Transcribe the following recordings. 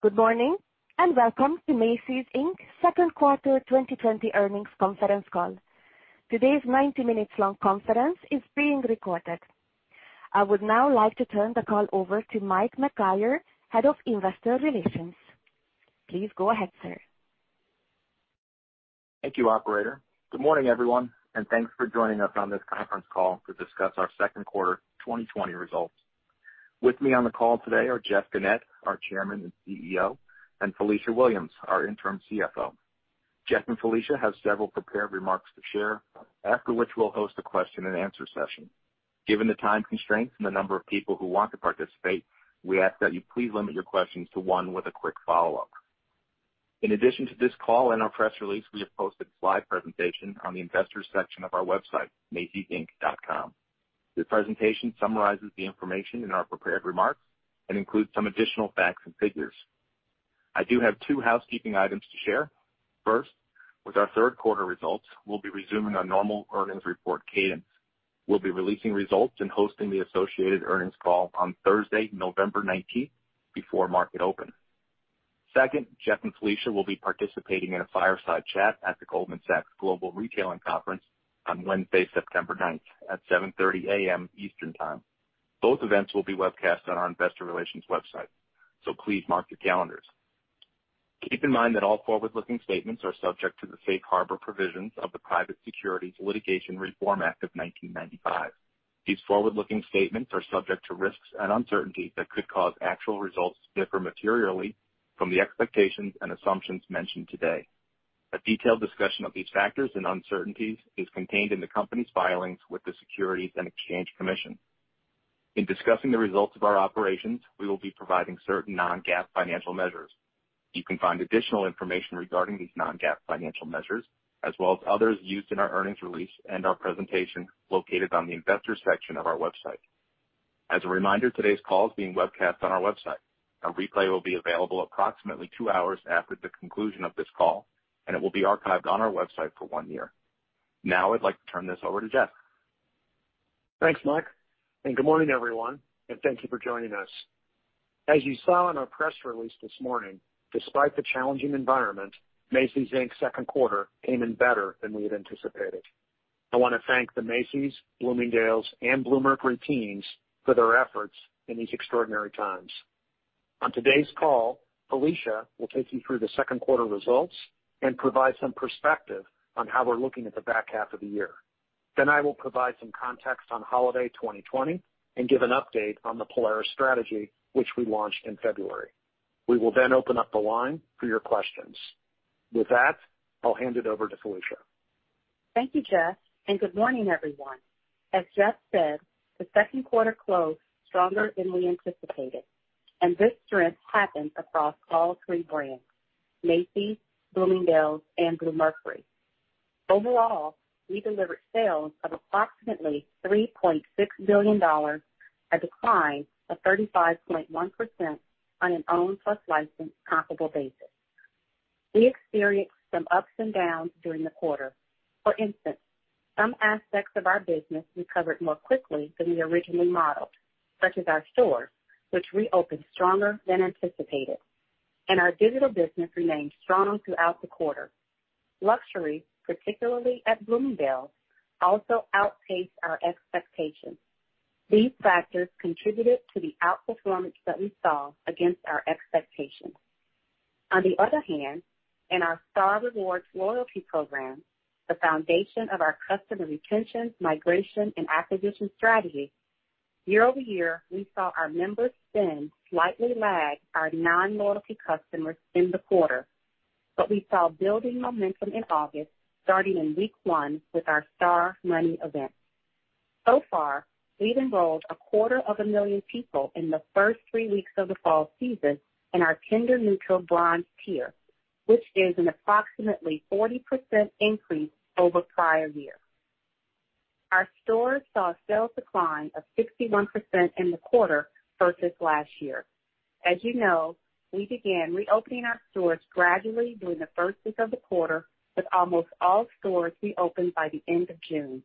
Good morning, and welcome to Macy's, Inc's second quarter 2020 earnings conference call. Today's 90-minutes long conference is being recorded. I would now like to turn the call over to Mike McGuire, Head of Investor Relations. Please go ahead, sir. Thank you, operator. Good morning, everyone, thanks for joining us on this conference call to discuss our second quarter 2020 results. With me on the call today are Jeff Gennette, our Chairman and CEO, and Felicia Williams, our interim CFO. Jeff and Felicia have several prepared remarks to share, after which we'll host a question-and-answer session. Given the time constraints and the number of people who want to participate, we ask that you please limit your questions to one with a quick follow-up. In addition to this call and our press release, we have posted a slide presentation on the Investors Section of our website, macysinc.com. The presentation summarizes the information in our prepared remarks and includes some additional facts and figures. I do have two housekeeping items to share. First, with our third quarter results, we'll be resuming our normal earnings report cadence. We'll be releasing results and hosting the associated earnings call on Thursday, November 19th, before market open. Second, Jeff and Felicia will be participating in a fireside chat at the Goldman Sachs Global Retailing Conference on Wednesday, September 9th at 7:30 AM Eastern Time. Both events will be webcast on our Investor Relations website, so please mark your calendars. Keep in mind that all forward-looking statements are subject to the Safe Harbor provisions of the Private Securities Litigation Reform Act of 1995. These forward-looking statements are subject to risks and uncertainties that could cause actual results to differ materially from the expectations and assumptions mentioned today. A detailed discussion of these factors and uncertainties is contained in the company's filings with the Securities and Exchange Commission. In discussing the results of our operations, we will be providing certain non-GAAP financial measures. You can find additional information regarding these non-GAAP financial measures, as well as others used in our earnings release and our presentation, located on the Investors Section of our website. As a reminder, today's call is being webcast on our website. A replay will be available approximately two hours after the conclusion of this call, and it will be archived on our website for one year. Now I'd like to turn this over to Jeff. Thanks, Mike. Good morning, everyone. Thank you for joining us. As you saw in our press release this morning, despite the challenging environment, Macy's, Inc's second quarter came in better than we had anticipated. I want to thank the Macy's, Bloomingdale's, and Bluemercury teams for their efforts in these extraordinary times. On today's call, Felicia will take you through the second quarter results and provide some perspective on how we're looking at the back half of the year. I will provide some context on holiday 2020 and give an update on the Polaris strategy, which we launched in February. We will open up the line for your questions. With that, I'll hand it over to Felicia. Thank you, Jeff, and good morning, everyone. As Jeff said, the second quarter closed stronger than we anticipated. This strength happened across all three brands, Macy's, Bloomingdale's, and Bluemercury. Overall, we delivered sales of approximately $3.6 billion, a decline of 35.1% on an owned plus licensed comparable basis. We experienced some ups and downs during the quarter. For instance, some aspects of our business recovered more quickly than we originally modeled, such as our stores, which reopened stronger than anticipated. Our digital business remained strong throughout the quarter. Luxury, particularly at Bloomingdale's, also outpaced our expectations. These factors contributed to the outperformance that we saw against our expectations. On the other hand, in our Star Rewards loyalty program, the foundation of our customer retention, migration, and acquisition strategy, year-over-year, we saw our members' spend slightly lag our non-loyalty customers in the quarter. We saw building momentum in August, starting in week one with our Star Money event. So far, we've enrolled a quarter of a million people in the first three weeks of the fall season in our tender-neutral Bronze tier, which is an approximately 40% increase over prior year. Our stores saw a sales decline of 61% in the quarter versus last year. As you know, we began reopening our stores gradually during the first week of the quarter, with almost all stores reopened by the end of June.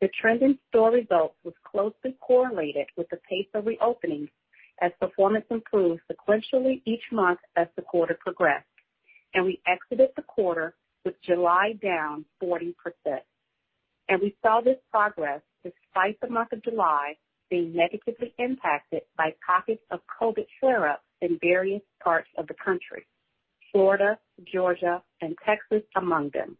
The trend in store results was closely correlated with the pace of reopenings, as performance improved sequentially each month as the quarter progressed, and we exited the quarter with July down 40%. We saw this progress despite the month of July being negatively impacted by pockets of COVID flare-up in various parts of the country, Florida, Georgia, and Texas among them.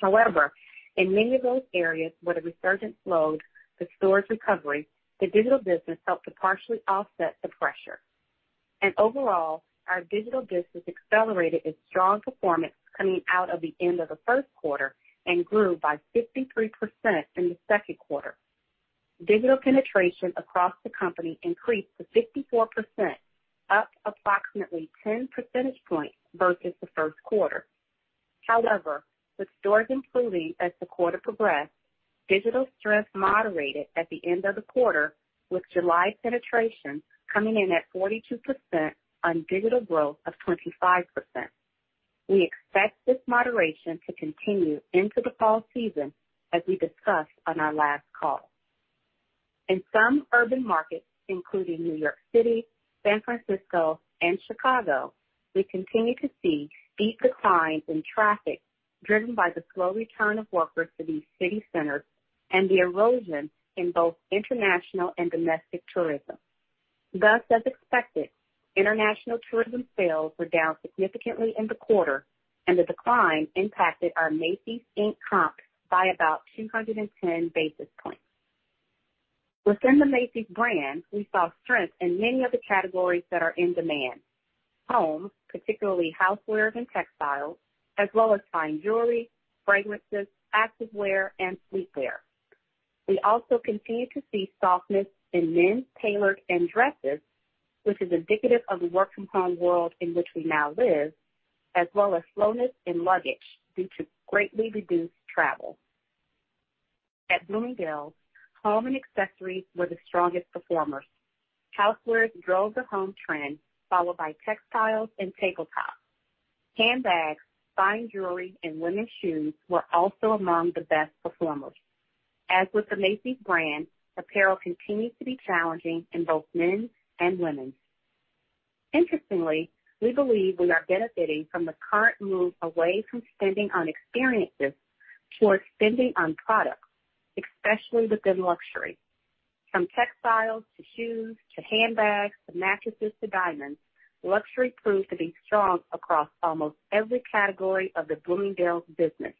However, in many of those areas where the resurgence slowed the stores' recovery, the digital business helped to partially offset the pressure. Overall, our digital business accelerated its strong performance coming out of the end of the first quarter and grew by 53% in the second quarter. Digital penetration across the company increased to 54%, up approximately 10 percentage points versus the first quarter. However, with stores improving as the quarter progressed, digital strength moderated at the end of the quarter, with July penetration coming in at 42% on digital growth of 25%. We expect this moderation to continue into the fall season as we discussed on our last call. In some urban markets, including New York City, San Francisco, and Chicago, we continue to see steep declines in traffic driven by the slow return of workers to these city centers and the erosion in both international and domestic tourism. Thus, as expected, international tourism sales were down significantly in the quarter, and the decline impacted our Macy's, Inc comps by about 210 basis points. Within the Macy's brand, we saw strength in many of the categories that are in demand. Home, particularly housewares and textiles, as well as fine jewelry, fragrances, activewear, and sleepwear. We also continue to see softness in men's tailored and dresses, which is indicative of the work-from-home world in which we now live, as well as slowness in luggage due to greatly reduced travel. At Bloomingdale's, home and accessories were the strongest performers. Housewares drove the home trend, followed by textiles and tabletops. Handbags, fine jewelry, and women's shoes were also among the best performers. As with the Macy's brand, apparel continues to be challenging in both men's and women's. Interestingly, we believe we are benefiting from the current move away from spending on experiences towards spending on products, especially within luxury. From textiles to shoes to handbags to mattresses to diamonds, luxury proved to be strong across almost every category of the Bloomingdale's business,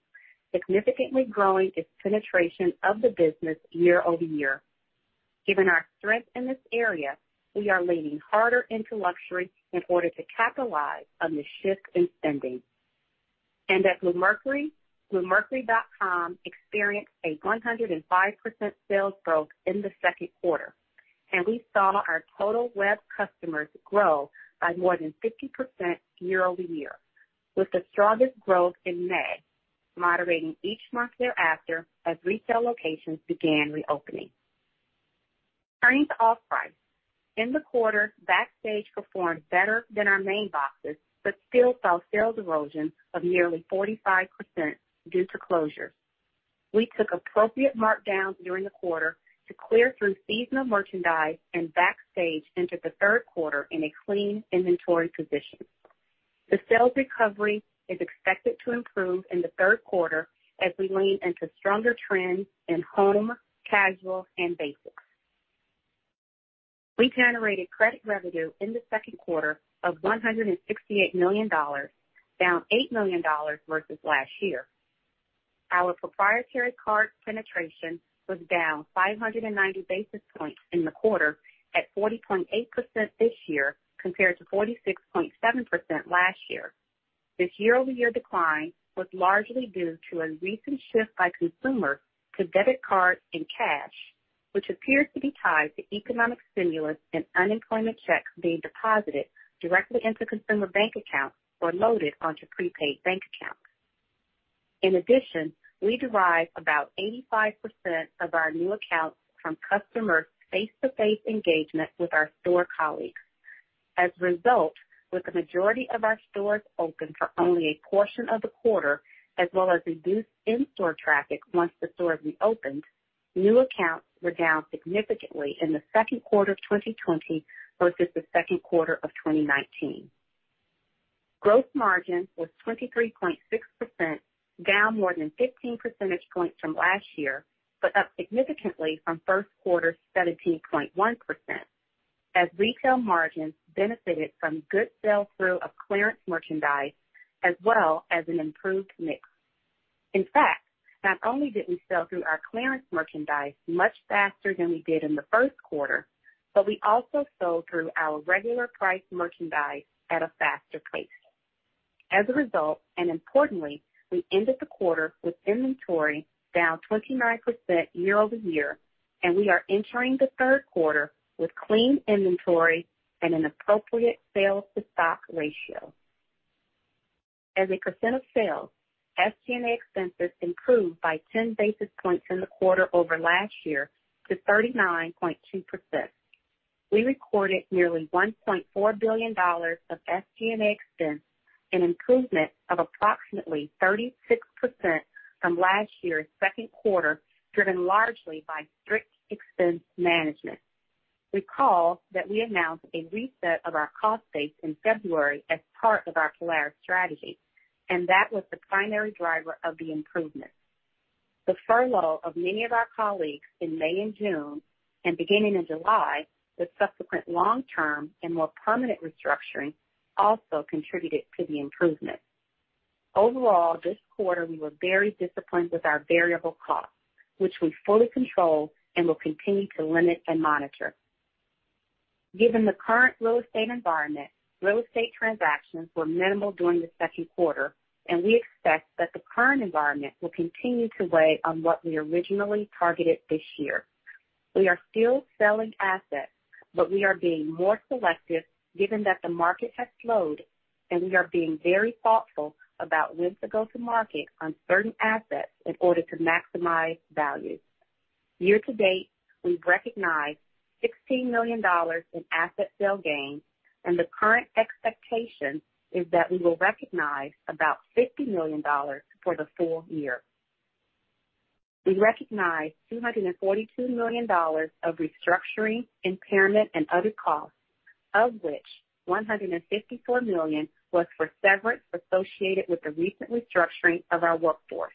significantly growing its penetration of the business year-over-year. Given our strength in this area, we are leaning harder into luxury in order to capitalize on this shift in spending. At Bluemercury, bluemercury.com experienced a 105% sales growth in the second quarter, and we saw our total web customers grow by more than 50% year-over-year, with the strongest growth in May, moderating each month thereafter as retail locations began reopening. Turning to off-price. In the quarter, Backstage performed better than our main boxes but still saw sales erosion of nearly 45% due to closures. We took appropriate markdowns during the quarter to clear through seasonal merchandise, and Backstage entered the third quarter in a clean inventory position. The sales recovery is expected to improve in the third quarter as we lean into stronger trends in home, casual, and basics. We generated credit revenue in the second quarter of $168 million, down $8 million versus last year. Our proprietary card penetration was down 590 basis points in the quarter at 40.8% this year compared to 46.7% last year. This year-over-year decline was largely due to a recent shift by consumers to debit card and cash, which appears to be tied to economic stimulus and unemployment checks being deposited directly into consumer bank accounts or loaded onto prepaid bank accounts. In addition, we derive about 85% of our new accounts from customer face-to-face engagement with our store colleagues. As a result, with the majority of our stores open for only a portion of the quarter, as well as reduced in-store traffic once the stores reopened, new accounts were down significantly in the second quarter of 2020 versus the second quarter of 2019. Gross margin was 23.6%, down more than 15 percentage points from last year, but up significantly from first quarter 17.1%, as retail margins benefited from good sell-through of clearance merchandise as well as an improved mix. In fact, not only did we sell through our clearance merchandise much faster than we did in the first quarter, but we also sold through our regular priced merchandise at a faster pace. As a result, and importantly, we ended the quarter with inventory down 29% year-over-year, and we are entering the third quarter with clean inventory and an appropriate sales-to-stock ratio. As a percent of sales, SG&A expenses improved by 10 basis points in the quarter over last year to 39.2%. We recorded nearly $1.4 billion of SG&A expense, an improvement of approximately 36% from last year's second quarter, driven largely by strict expense management. Recall that we announced a reset of our cost base in February as part of our Polaris strategy, and that was the primary driver of the improvement. The furlough of many of our colleagues in May and June and beginning in July, with subsequent long-term and more permanent restructuring, also contributed to the improvement. Overall, this quarter, we were very disciplined with our variable costs, which we fully control and will continue to limit and monitor. Given the current real estate environment, real estate transactions were minimal during the second quarter, and we expect that the current environment will continue to weigh on what we originally targeted this year. We are still selling assets, but we are being more selective given that the market has slowed, and we are being very thoughtful about when to go to market on certain assets in order to maximize value. Year-to-date, we've recognized $16 million in asset sale gains, and the current expectation is that we will recognize about $50 million for the full year. We recognized $242 million of restructuring, impairment, and other costs, of which $154 million was for severance associated with the recent restructuring of our workforce.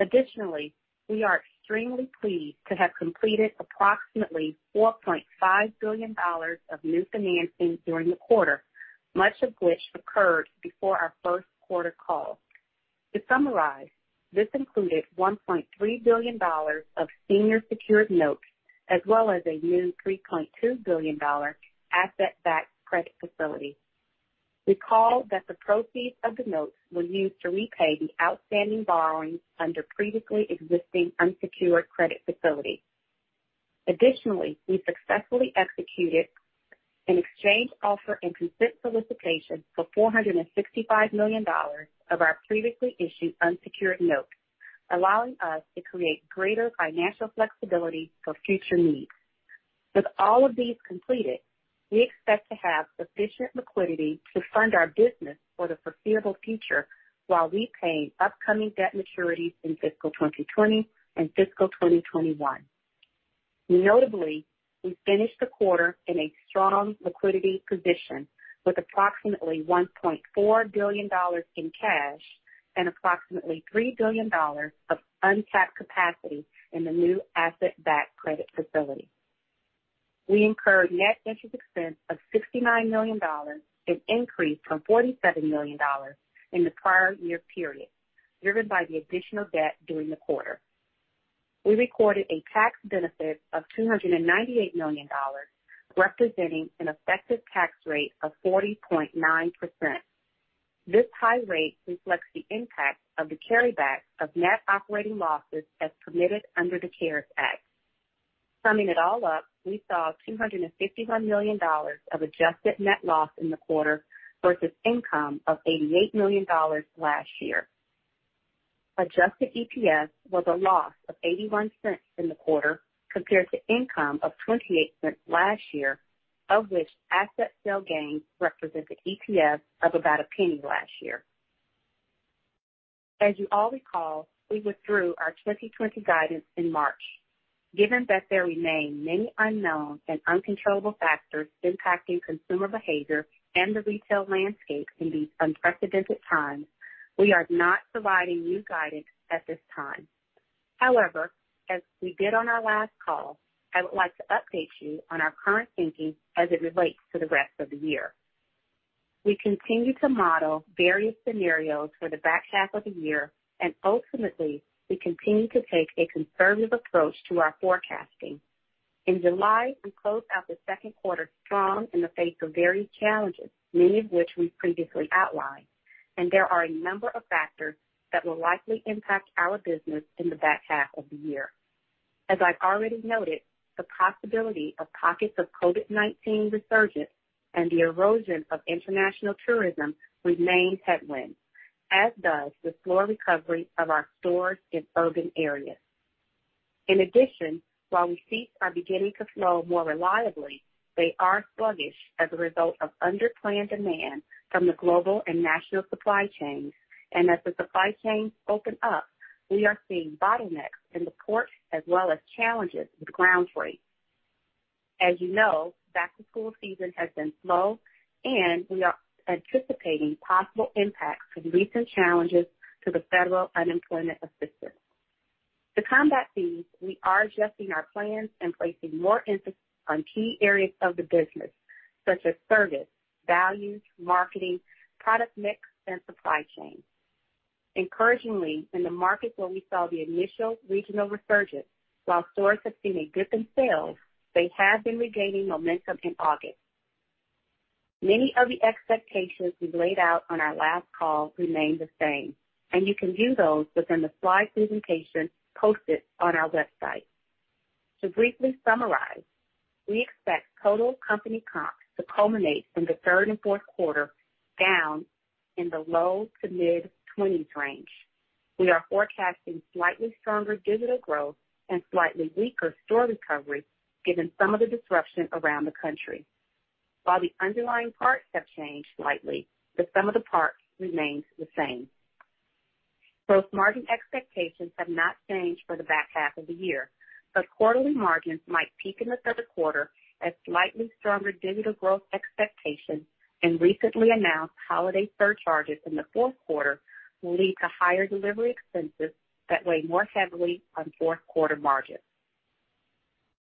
Additionally, we are extremely pleased to have completed approximately $4.5 billion of new financing during the quarter, much of which occurred before our first quarter call. To summarize, this included $1.3 billion of senior secured notes, as well as a new $3.2 billion asset-backed credit facility. Recall that the proceeds of the notes were used to repay the outstanding borrowings under previously existing unsecured credit facilities. Additionally, we successfully executed an exchange offer and consent solicitation for $465 million of our previously issued unsecured notes, allowing us to create greater financial flexibility for future needs. With all of these completed, we expect to have sufficient liquidity to fund our business for the foreseeable future while repaying upcoming debt maturities in fiscal 2020 and fiscal 2021. Notably, we finished the quarter in a strong liquidity position with approximately $1.4 billion in cash and approximately $3 billion of untapped capacity in the new asset-backed credit facility. We incurred net interest expense of $69 million, an increase from $47 million in the prior-year period, driven by the additional debt during the quarter. We recorded a tax benefit of $298 million, representing an effective tax rate of 40.9%. This high rate reflects the impact of the carryback of net operating losses as permitted under the CARES Act. Summing it all up, we saw $251 million of adjusted net loss in the quarter versus income of $88 million last year. Adjusted EPS was a loss of $0.81 in the quarter compared to income of $0.28 last year, of which asset sale gains represented EPS of about $0.01 last year. As you all recall, we withdrew our 2020 guidance in March. Given that there remain many unknowns and uncontrollable factors impacting consumer behavior and the retail landscape in these unprecedented times, we are not providing new guidance at this time. However, as we did on our last call, I would like to update you on our current thinking as it relates to the rest of the year. Ultimately, we continue to take a conservative approach to our forecasting. In July, we closed out the second quarter strong in the face of various challenges, many of which we've previously outlined, and there are a number of factors that will likely impact our business in the back half of the year. As I've already noted, the possibility of pockets of COVID-19 resurgence and the erosion of international tourism remain headwinds, as does the slow recovery of our stores in urban areas. In addition, while receipts are beginning to flow more reliably, they are sluggish as a result of unplanned demand from the global and national supply chains. As the supply chains open up, we are seeing bottlenecks in the ports as well as challenges with ground freight. As you know, back-to-school season has been slow, and we are anticipating possible impacts from recent challenges to the federal unemployment assistance. To combat these, we are adjusting our plans and placing more emphasis on key areas of the business, such as service, values, marketing, product mix, and supply chain. Encouragingly, in the markets where we saw the initial regional resurgence, while stores have seen a dip in sales, they have been regaining momentum in August. Many of the expectations we laid out on our last call remain the same, and you can view those within the slide presentation posted on our website. To briefly summarize, we expect total company comps to culminate in the third and fourth quarter down in the low-to-mid 20s range. We are forecasting slightly stronger digital growth and slightly weaker store recovery given some of the disruption around the country. While the underlying parts have changed slightly, the sum of the parts remains the same. Both margin expectations have not changed for the back half of the year, but quarterly margins might peak in the third quarter as slightly stronger digital growth expectations and recently announced holiday surcharges in the fourth quarter will lead to higher delivery expenses that weigh more heavily on fourth quarter margins.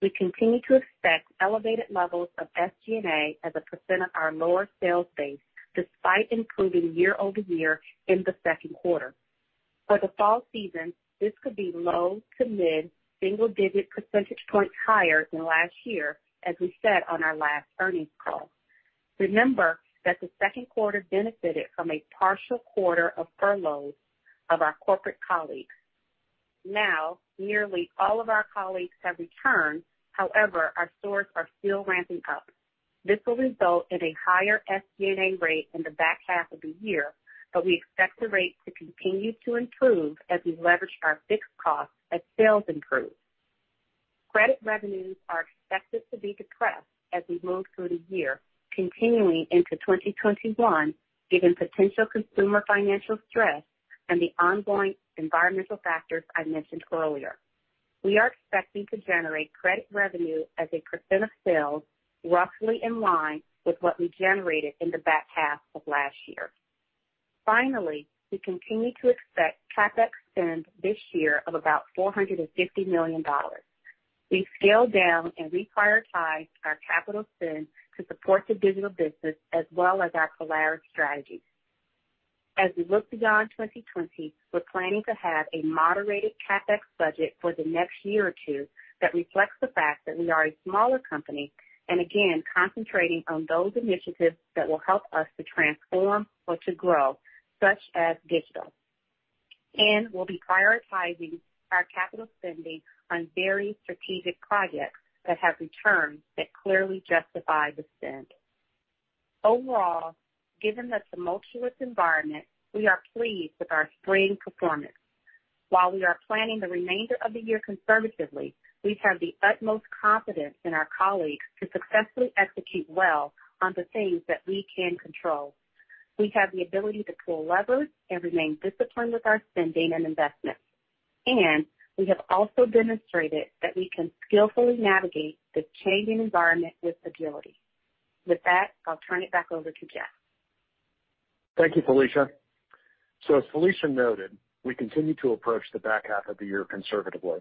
We continue to expect elevated levels of SG&A as a percent of our lower sales base despite improving year-over-year in the second quarter. For the fall season, this could be low-to-mid single digit percentage points higher than last year, as we said on our last earnings call. Remember that the second quarter benefited from a partial quarter of furloughs of our corporate colleagues. Now, nearly all of our colleagues have returned. However, our stores are still ramping up. This will result in a higher SG&A rate in the back half of the year, but we expect the rate to continue to improve as we leverage our fixed costs as sales improve. Credit revenues are expected to be depressed as we move through the year, continuing into 2021, given potential consumer financial stress and the ongoing environmental factors I mentioned earlier. We are expecting to generate credit revenue as a percent of sales, roughly in line with what we generated in the back half of last year. Finally, we continue to expect CapEx spend this year of about $450 million. We've scaled down and reprioritized our capital spend to support the digital business as well as our Polaris strategy. As we look beyond 2020, we're planning to have a moderated CapEx budget for the next year or two that reflects the fact that we are a smaller company, and again, concentrating on those initiatives that will help us to transform or to grow, such as digital. We'll be prioritizing our capital spending on very strategic projects that have returns that clearly justify the spend. Overall, given the tumultuous environment, we are pleased with our spring performance. While we are planning the remainder of the year conservatively, we have the utmost confidence in our colleagues to successfully execute well on the things that we can control. We have the ability to pull levers and remain disciplined with our spending and investments. We have also demonstrated that we can skillfully navigate this changing environment with agility. With that, I'll turn it back over to Jeff. Thank you, Felicia. As Felicia noted, we continue to approach the back half of the year conservatively.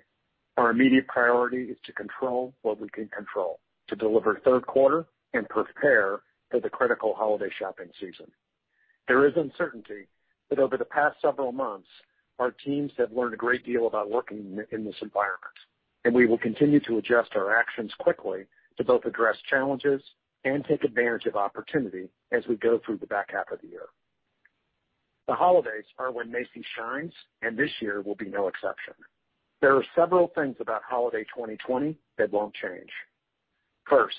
Our immediate priority is to control what we can control, to deliver third quarter and prepare for the critical holiday shopping season. There is uncertainty, but over the past several months, our teams have learned a great deal about working in this environment, and we will continue to adjust our actions quickly to both address challenges and take advantage of opportunity as we go through the back half of the year. The holidays are when Macy's shines, and this year will be no exception. There are several things about holiday 2020 that won't change. First,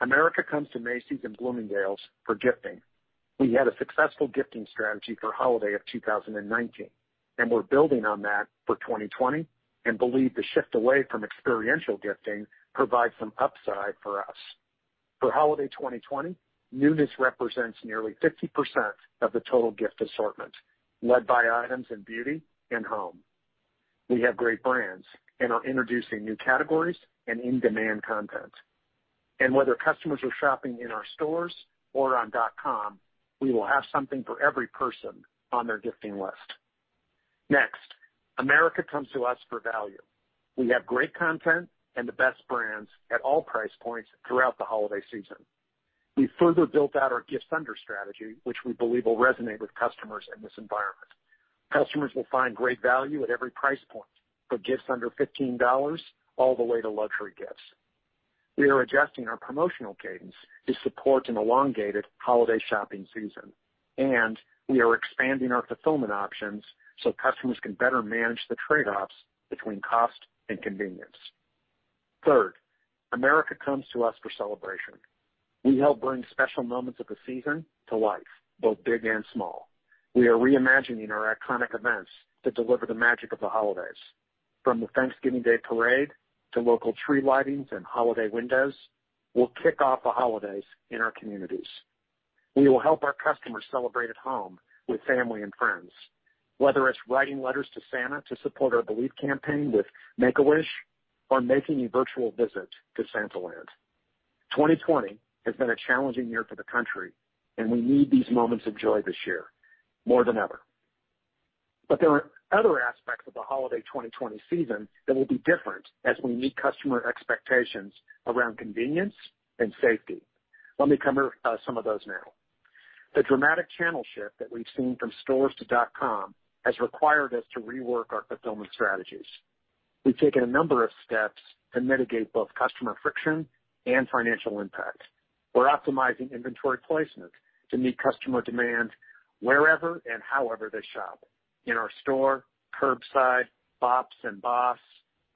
America comes to Macy's and Bloomingdale's for gifting. We had a successful gifting strategy for holiday of 2019, and we're building on that for 2020 and believe the shift away from experiential gifting provides some upside for us. For holiday 2020, newness represents nearly 50% of the total gift assortment, led by items in beauty and home. We have great brands and are introducing new categories and in-demand content. Whether customers are shopping in our stores or on dot-com, we will have something for every person on their gifting list. Next, America comes to us for value. We have great content and the best brands at all price points throughout the holiday season. We've further built out our Gifts Under strategy, which we believe will resonate with customers in this environment. Customers will find great value at every price point, for Gifts Under $15 all the way to luxury gifts. We are adjusting our promotional cadence to support an elongated holiday shopping season, and we are expanding our fulfillment options so customers can better manage the trade-offs between cost and convenience. Third, America comes to us for celebration. We help bring special moments of the season to life, both big and small. We are reimagining our iconic events to deliver the magic of the holidays. From the Thanksgiving Day Parade to local tree lightings and holiday windows, we'll kick off the holidays in our communities. We will help our customers celebrate at home with family and friends, whether it's writing letters to Santa to support our Believe campaign with Make-A-Wish or making a virtual visit to Santaland. 2020 has been a challenging year for the country, and we need these moments of joy this year more than ever. There are other aspects of the holiday 2020 season that will be different as we meet customer expectations around convenience and safety. Let me cover some of those now. The dramatic channel shift that we've seen from stores to dot-com has required us to rework our fulfillment strategies. We've taken a number of steps to mitigate both customer friction and financial impact. We're optimizing inventory placement to meet customer demand wherever and however they shop. In our store, curbside, BOPS and BOSS,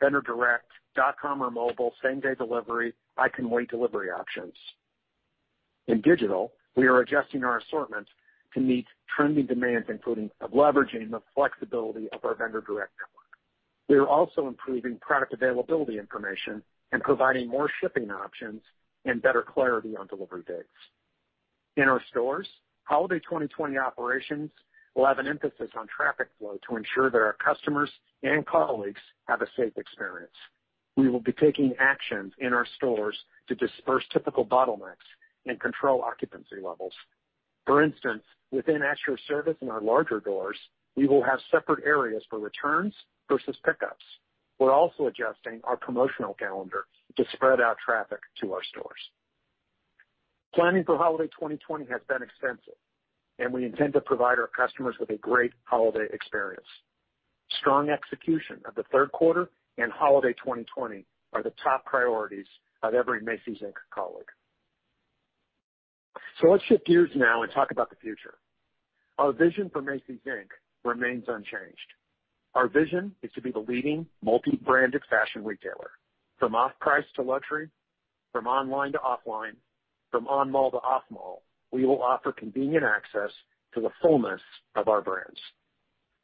Vendor direct, dot-com or mobile, same-day delivery, I-can-wait delivery options. In digital, we are adjusting our assortment to meet trending demands, including leveraging the flexibility of our Vendor direct network. We are also improving product availability information and providing more shipping options and better clarity on delivery dates. In our stores, holiday 2020 operations will have an emphasis on traffic flow to ensure that our customers and colleagues have a safe experience. We will be taking actions in our stores to disperse typical bottlenecks and control occupancy levels. For instance, within At Your Service in our larger doors, we will have separate areas for returns versus pickups. We're also adjusting our promotional calendar to spread out traffic to our stores. Planning for holiday 2020 has been extensive, and we intend to provide our customers with a great holiday experience. Strong execution of the third quarter and holiday 2020 are the top priorities of every Macy's, Inc colleague. Let's shift gears now and talk about the future. Our vision for Macy's, Inc remains unchanged. Our vision is to be the leading multi-branded fashion retailer. From off-price to luxury, from online to offline, from on-mall to off-mall, we will offer convenient access to the fullness of our brands.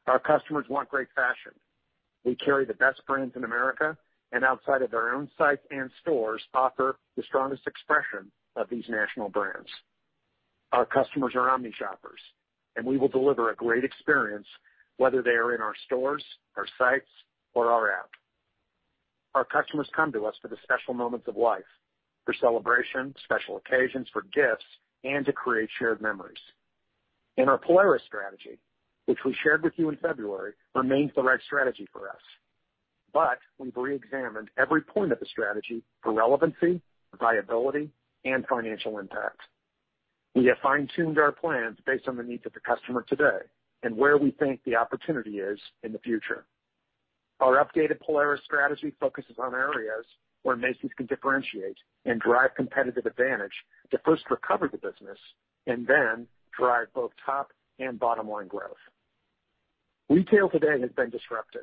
Our customers want great fashion. We carry the best brands in America, and outside of their own sites and stores, offer the strongest expression of these national brands. Our customers are omni-shoppers, we will deliver a great experience, whether they are in our stores, our sites, or our app. Our customers come to us for the special moments of life, for celebration, special occasions, for gifts, and to create shared memories. Our Polaris strategy, which we shared with you in February, remains the right strategy for us. We've re-examined every point of the strategy for relevancy, viability, and financial impact. We have fine-tuned our plans based on the needs of the customer today and where we think the opportunity is in the future. Our updated Polaris strategy focuses on areas where Macy's can differentiate and drive competitive advantage to first recover the business and then drive both top and bottom-line growth. Retail today has been disrupted,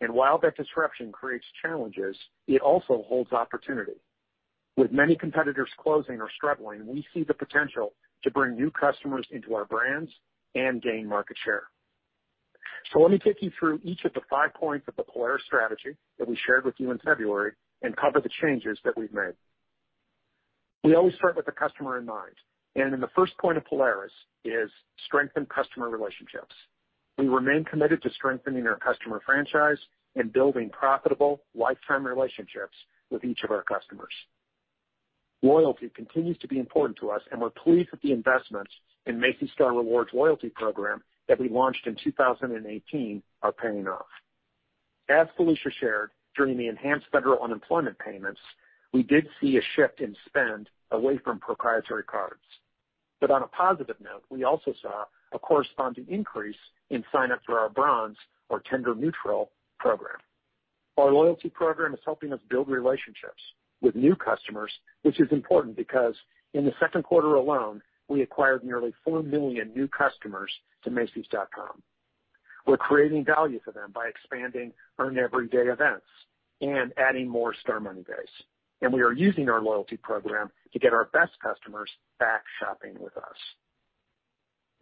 and while that disruption creates challenges, it also holds opportunity. With many competitors closing or struggling, we see the potential to bring new customers into our brands and gain market share. Let me take you through each of the five points of the Polaris strategy that we shared with you in February and cover the changes that we've made. We always start with the customer in mind, and in the first point of Polaris is strengthen customer relationships. We remain committed to strengthening our customer franchise and building profitable lifetime relationships with each of our customers. Loyalty continues to be important to us, and we're pleased that the investments in Macy's Star Rewards loyalty program that we launched in 2018 are paying off. As Felicia shared, during the enhanced federal unemployment payments, we did see a shift in spend away from proprietary cards. On a positive note, we also saw a corresponding increase in sign-ups for our Bronze or tender neutral program. Our loyalty program is helping us build relationships with new customers, which is important because in the second quarter alone, we acquired nearly 4 million new customers to macys.com. We're creating value for them by expanding Earn Everyday events and adding more Star Money days. We are using our loyalty program to get our best customers back shopping with us.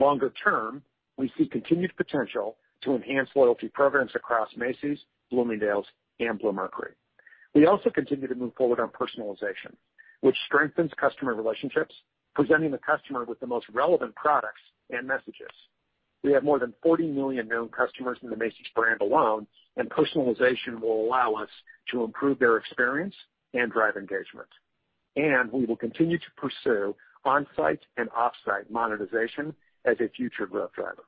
Longer term, we see continued potential to enhance loyalty programs across Macy's, Bloomingdale's, and Bluemercury. We also continue to move forward on personalization, which strengthens customer relationships, presenting the customer with the most relevant products and messages. We have more than 40 million known customers in the Macy's brand alone. Personalization will allow us to improve their experience and drive engagement. We will continue to pursue on-site and off-site monetization as a future growth driver.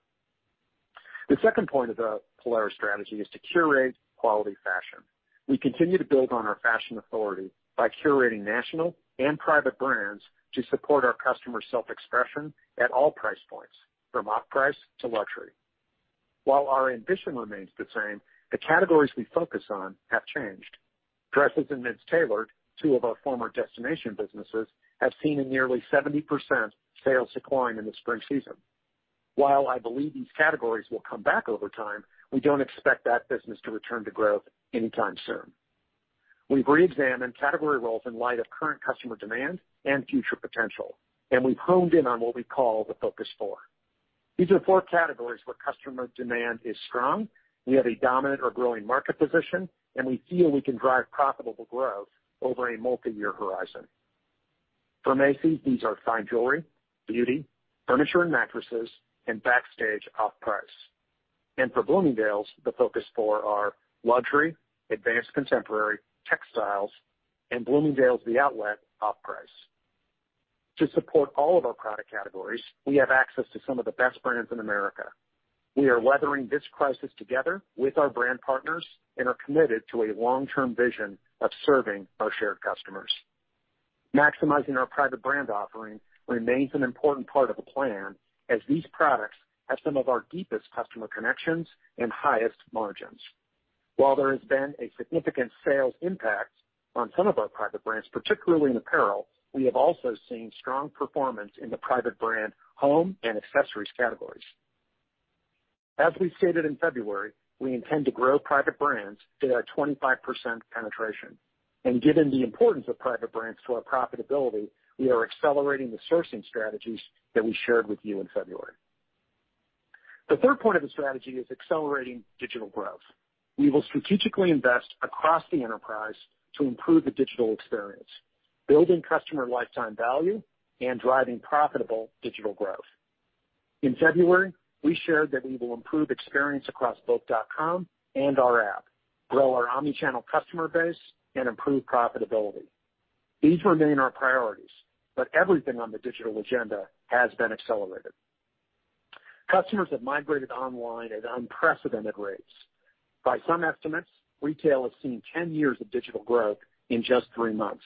The second point of the Polaris strategy is to curate quality fashion. We continue to build on our fashion authority by curating national and private brands to support our customers' self-expression at all price points, from off-price to luxury. While our ambition remains the same, the categories we focus on have changed. Dresses and men's tailored, two of our former destination businesses, have seen a nearly 70% sales decline in the spring season. While I believe these categories will come back over time, we don't expect that business to return to growth anytime soon. We've re-examined category roles in light of current customer demand and future potential, and we've honed in on what we call the Focus Four. These are four categories where customer demand is strong, we have a dominant or growing market position, and we feel we can drive profitable growth over a multi-year horizon. For Macy's, these are fine jewelry, beauty, furniture and mattresses, and Backstage off-price. For Bloomingdale's, the Focus Four are luxury, advanced contemporary, textiles, and Bloomingdale's The Outlet off-price To support all of our product categories, we have access to some of the best brands in America. We are weathering this crisis together with our brand partners and are committed to a long-term vision of serving our shared customers. Maximizing our private brand offering remains an important part of the plan, as these products have some of our deepest customer connections and highest margins. While there has been a significant sales impact on some of our private brands, particularly in apparel, we have also seen strong performance in the private brand home and accessories categories. As we stated in February, we intend to grow private brands to our 25% penetration. Given the importance of private brands to our profitability, we are accelerating the sourcing strategies that we shared with you in February. The third point of the strategy is accelerating digital growth. We will strategically invest across the enterprise to improve the digital experience, building customer lifetime value and driving profitable digital growth. In February, we shared that we will improve experience across both dot-com and our app, grow our omni-channel customer base, and improve profitability. These remain our priorities, but everything on the digital agenda has been accelerated. Customers have migrated online at unprecedented rates. By some estimates, retail has seen 10 years of digital growth in just three months.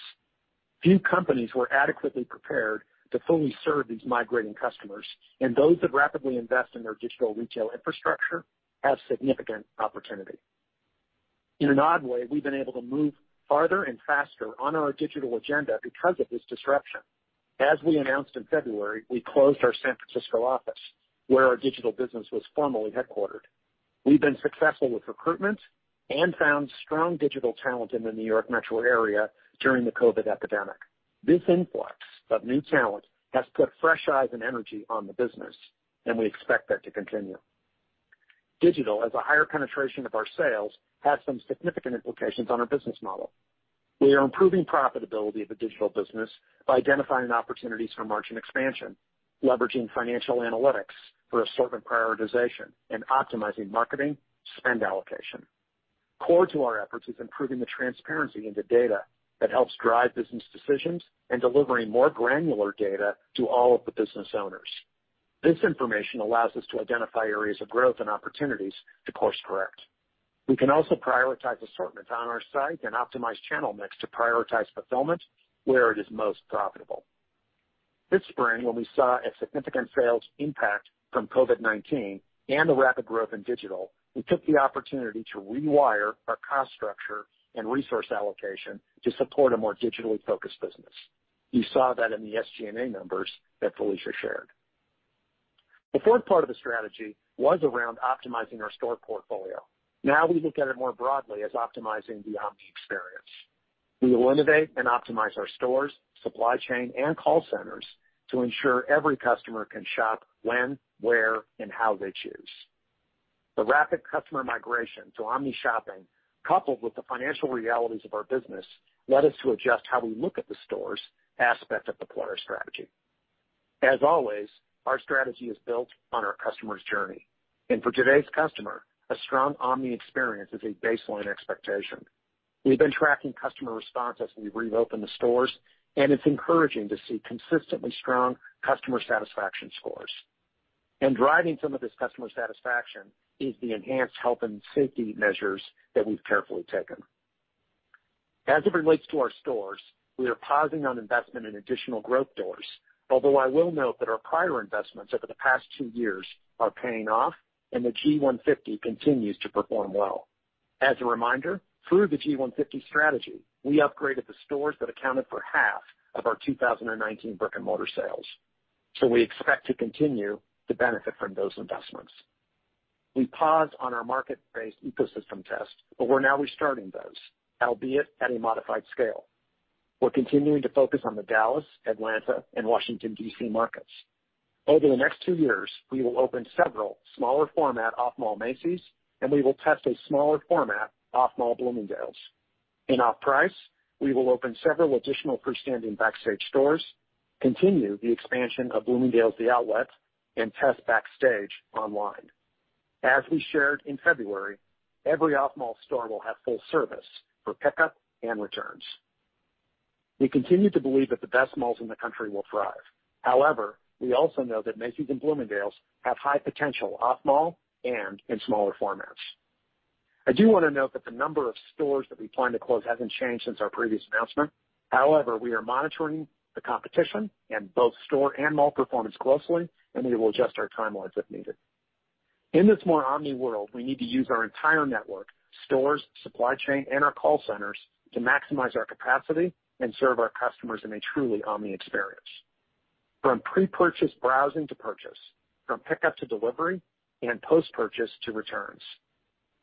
Few companies were adequately prepared to fully serve these migrating customers, and those that rapidly invest in their digital retail infrastructure have significant opportunity. In an odd way, we've been able to move farther and faster on our digital agenda because of this disruption. As we announced in February, we closed our San Francisco office, where our digital business was formerly headquartered. We've been successful with recruitment and found strong digital talent in the New York metro area during the COVID epidemic. This influx of new talent has put fresh eyes and energy on the business, and we expect that to continue. Digital, as a higher penetration of our sales, has some significant implications on our business model. We are improving profitability of the digital business by identifying opportunities for margin expansion, leveraging financial analytics for assortment prioritization, and optimizing marketing spend allocation. Core to our efforts is improving the transparency into data that helps drive business decisions and delivering more granular data to all of the business owners. This information allows us to identify areas of growth and opportunities to course-correct. We can also prioritize assortments on our site and optimize channel mix to prioritize fulfillment where it is most profitable. This spring, when we saw a significant sales impact from COVID-19 and the rapid growth in digital, we took the opportunity to rewire our cost structure and resource allocation to support a more digitally focused business. You saw that in the SG&A numbers that Felicia shared. The fourth part of the strategy was around optimizing our store portfolio. Now we look at it more broadly as optimizing the omni experience. We will innovate and optimize our stores, supply chain, and call centers to ensure every customer can shop when, where, and how they choose. The rapid customer migration to omni shopping, coupled with the financial realities of our business, led us to adjust how we look at the stores' aspect of the Polaris strategy. As always, our strategy is built on our customer's journey. For today's customer, a strong omni experience is a baseline expectation. We've been tracking customer response as we reopen the stores, and it's encouraging to see consistently strong customer satisfaction scores. Driving some of this customer satisfaction is the enhanced health and safety measures that we've carefully taken. As it relates to our stores, we are pausing on investment in additional growth doors, although I will note that our prior investments over the past two years are paying off, and the G150 continues to perform well. As a reminder, through the G150 strategy, we upgraded the stores that accounted for half of our 2019 brick-and-mortar sales. We expect to continue to benefit from those investments. We paused on our market-based ecosystem test, but we're now restarting those, albeit at a modified scale. We're continuing to focus on the Dallas, Atlanta, and Washington, D.C., markets. Over the next two years, we will open several smaller format off-mall Macy's, and we will test a smaller format off-mall Bloomingdale's. In Off Price, we will open several additional freestanding Backstage stores, continue the expansion of Bloomingdale's The Outlet, and test Backstage online. As we shared in February, every off-mall store will have full service for pickup and returns. We continue to believe that the best malls in the country will thrive. We also know that Macy's and Bloomingdale's have high potential off-mall and in smaller formats. I do wanna note that the number of stores that we plan to close hasn't changed since our previous announcement. We are monitoring the competition and both store and mall performance closely, and we will adjust our timelines if needed. In this more omni world, we need to use our entire network, stores, supply chain, and our call centers to maximize our capacity and serve our customers in a truly omni experience, from pre-purchase browsing to purchase, from pickup to delivery, and post-purchase to returns.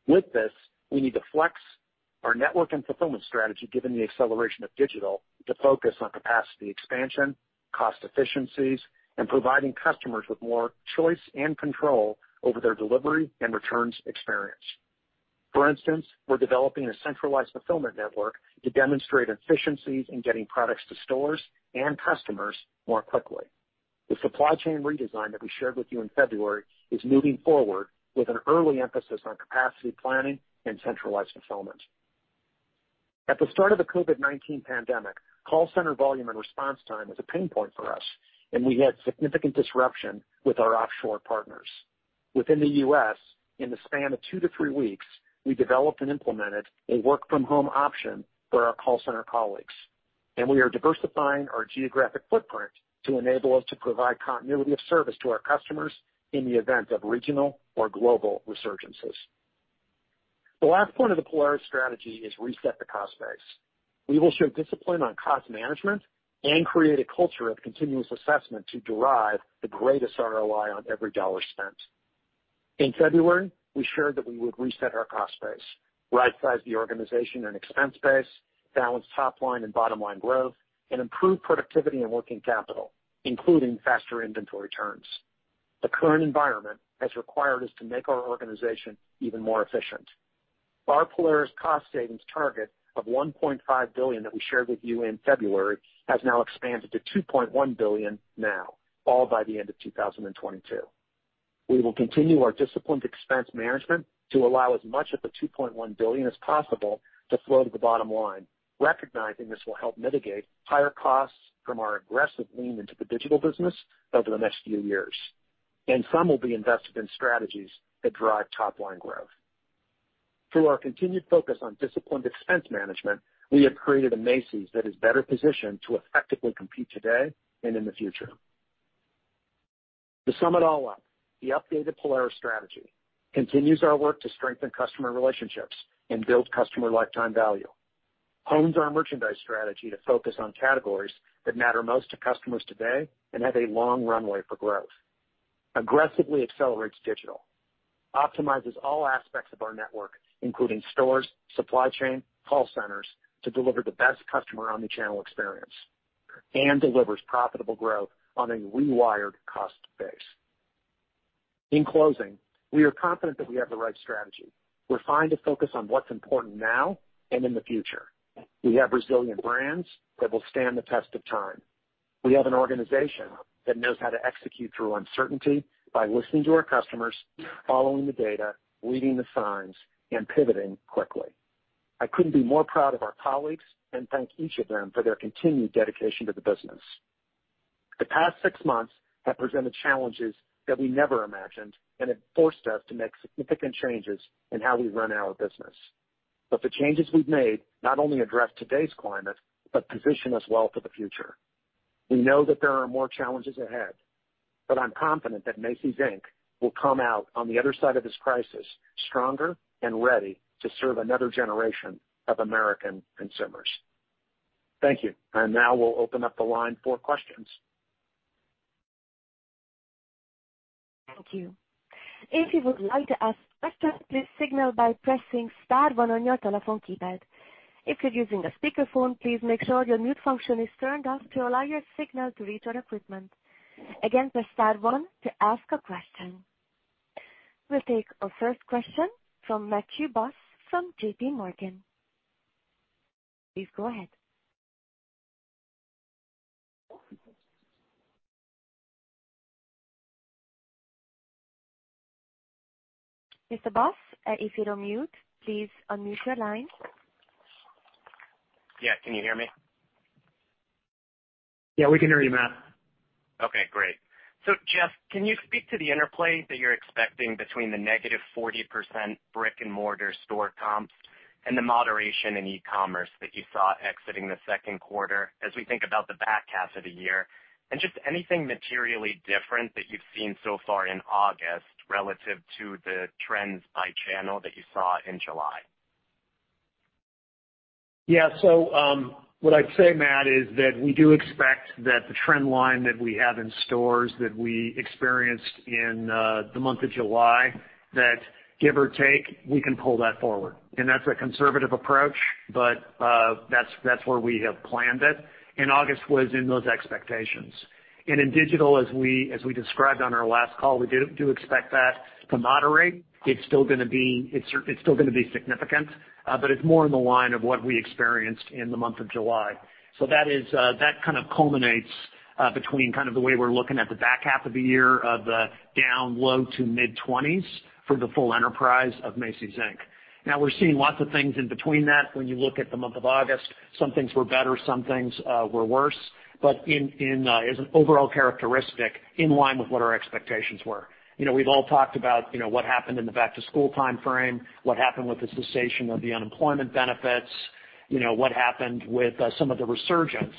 With this, we need to flex our network and fulfillment strategy, given the acceleration of digital, to focus on capacity expansion, cost efficiencies, and providing customers with more choice and control over their delivery and returns experience. For instance, we're developing a centralized fulfillment network to demonstrate efficiencies in getting products to stores and customers more quickly. The supply chain redesign that we shared with you in February is moving forward with an early emphasis on capacity planning and centralized fulfillment. At the start of the COVID-19 pandemic, call center volume and response time was a pain point for us, and we had significant disruption with our offshore partners. Within the U.S., in the span of two to three weeks, we developed and implemented a work-from-home option for our call center colleagues. We are diversifying our geographic footprint to enable us to provide continuity of service to our customers in the event of regional or global resurgences. The last point of the Polaris strategy is reset the cost base. We will show discipline on cost management and create a culture of continuous assessment to derive the greatest ROI on every dollar spent. In February, we shared that we would reset our cost base, rightsize the organization and expense base, balance top-line and bottom-line growth, improve productivity and working capital, including faster inventory turns. The current environment has required us to make our organization even more efficient. Our Polaris cost savings target of $1.5 billion that we shared with you in February has now expanded to $2.1 billion now, all by the end of 2022. We will continue our disciplined expense management to allow as much of the $2.1 billion as possible to flow to the bottom line, recognizing this will help mitigate higher costs from our aggressive lean into the digital business over the next few years. Some will be invested in strategies that drive top-line growth. Through our continued focus on disciplined expense management, we have created a Macy's that is better positioned to effectively compete today and in the future. To sum it all up, the updated Polaris strategy continues our work to strengthen customer relationships and build customer lifetime value, hones our merchandise strategy to focus on categories that matter most to customers today and have a long runway for growth, aggressively accelerates digital, optimizes all aspects of our network, including stores, supply chain, call centers, to deliver the best customer omnichannel experience, and delivers profitable growth on a rewired cost base. In closing, we are confident that we have the right strategy. We're trying to focus on what's important now and in the future. We have resilient brands that will stand the test of time. We have an organization that knows how to execute through uncertainty by listening to our customers, following the data, reading the signs, and pivoting quickly. I couldn't be more proud of our colleagues and thank each of them for their continued dedication to the business. The past six months have presented challenges that we never imagined, and it forced us to make significant changes in how we run our business. The changes we've made not only address today's climate, but position us well for the future. We know that there are more challenges ahead. I'm confident that Macy's, Inc will come out on the other side of this crisis stronger and ready to serve another generation of American consumers. Thank you. Now we'll open up the line for questions. Thank you. If you would like to ask a question please signal by pressing star one on your telephone keypad. If you are using the speakerphone, please make sure your mute function is turned off to allow your signal to reach our equipment. Again, press star one to ask a question. We'll take our first question from Matthew Boss from JPMorgan. Please go ahead. Mr. Boss, if you're on mute, please unmute your line. Yeah, can you hear me? Yeah, we can hear you, Matt. Okay, great. Jeff, can you speak to the interplay that you're expecting between the -40% brick-and-mortar store comps and the moderation in e-commerce that you saw exiting the second quarter as we think about the back half of the year? Just anything materially different that you've seen so far in August relative to the trends by channel that you saw in July? What I'd say, Matt, is that we do expect that the trend line that we have in stores that we experienced in the month of July, that give or take, we can pull that forward. That's a conservative approach, but that's where we have planned it, and August was in those expectations. In digital, as we described on our last call, we do expect that to moderate. It's still going to be significant, but it's more in the line of what we experienced in the month of July. That kind of culminates between kind of the way we're looking at the back half of the year of the down low-to-mid-20s for the full enterprise of Macy's, Inc. Now we're seeing lots of things in between that when you look at the month of August. Some things were better, some things were worse. As an overall characteristic, in line with what our expectations were. We've all talked about what happened in the back-to-school timeframe, what happened with the cessation of the unemployment benefits, what happened with some of the resurgence.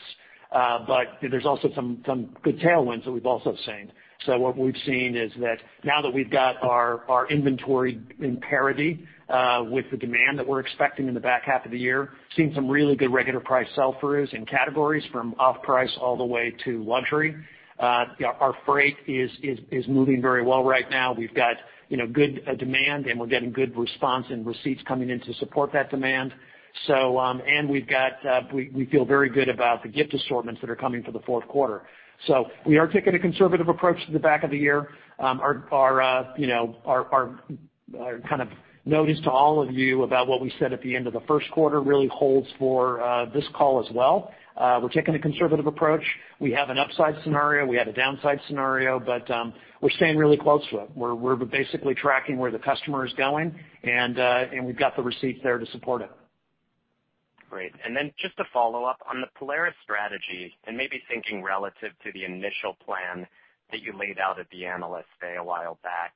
There's also some good tailwinds that we've also seen. What we've seen is that now that we've got our inventory in parity with the demand that we're expecting in the back half of the year, seeing some really good regular price sellers in categories from off-price all the way to luxury. Our freight is moving very well right now. We've got good demand, and we're getting good response and receipts coming in to support that demand. We feel very good about the gift assortments that are coming for the fourth quarter. We are taking a conservative approach to the back of the year. Our notice to all of you about what we said at the end of the first quarter really holds for this call as well. We're taking a conservative approach. We have an upside scenario, we have a downside scenario, but we're staying really close to it. We're basically tracking where the customer is going and we've got the receipts there to support it. Great. Just to follow up, on the Polaris strategy and maybe thinking relative to the initial plan that you laid out at the Analyst Day a while back,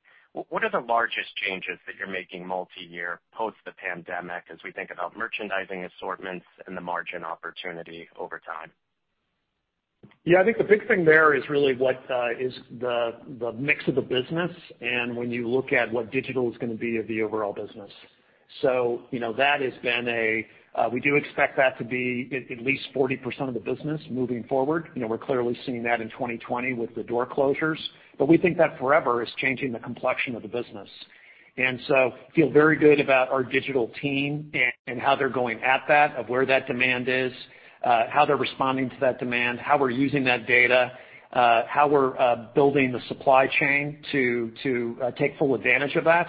what are the largest changes that you're making multi-year post the pandemic as we think about merchandising assortments and the margin opportunity over time? Yeah, I think the big thing there is really what is the mix of the business and when you look at what digital is going to be of the overall business. We do expect that to be at least 40% of the business moving forward. We're clearly seeing that in 2020 with the door closures. We think that forever is changing the complexion of the business. Feel very good about our digital team and how they're going at that, of where that demand is, how they're responding to that demand, how we're using that data, how we're building the supply chain to take full advantage of that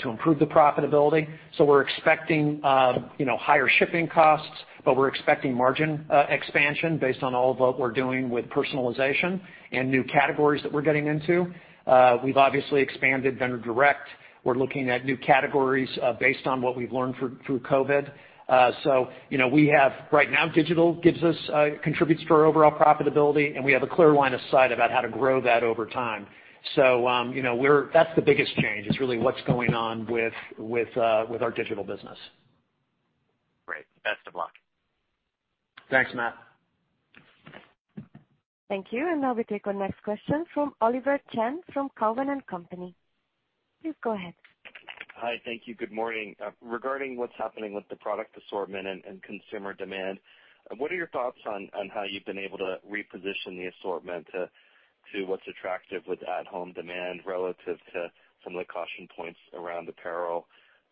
to improve the profitability. We're expecting higher shipping costs, but we're expecting margin expansion based on all of what we're doing with personalization and new categories that we're getting into. We've obviously expanded Vendor Direct. We're looking at new categories based on what we've learned through COVID. Right now digital contributes to our overall profitability, and we have a clear line of sight about how to grow that over time. That's the biggest change, is really what's going on with our digital business. Great. Best of luck. Thanks, Matt. Thank you. Now we take our next question from Oliver Chen from Cowen & Company. Please go ahead. Hi. Thank you. Good morning. Regarding what's happening with the product assortment and consumer demand, what are your thoughts on how you've been able to reposition the assortment to what's attractive with at-home demand relative to some of the caution points around apparel?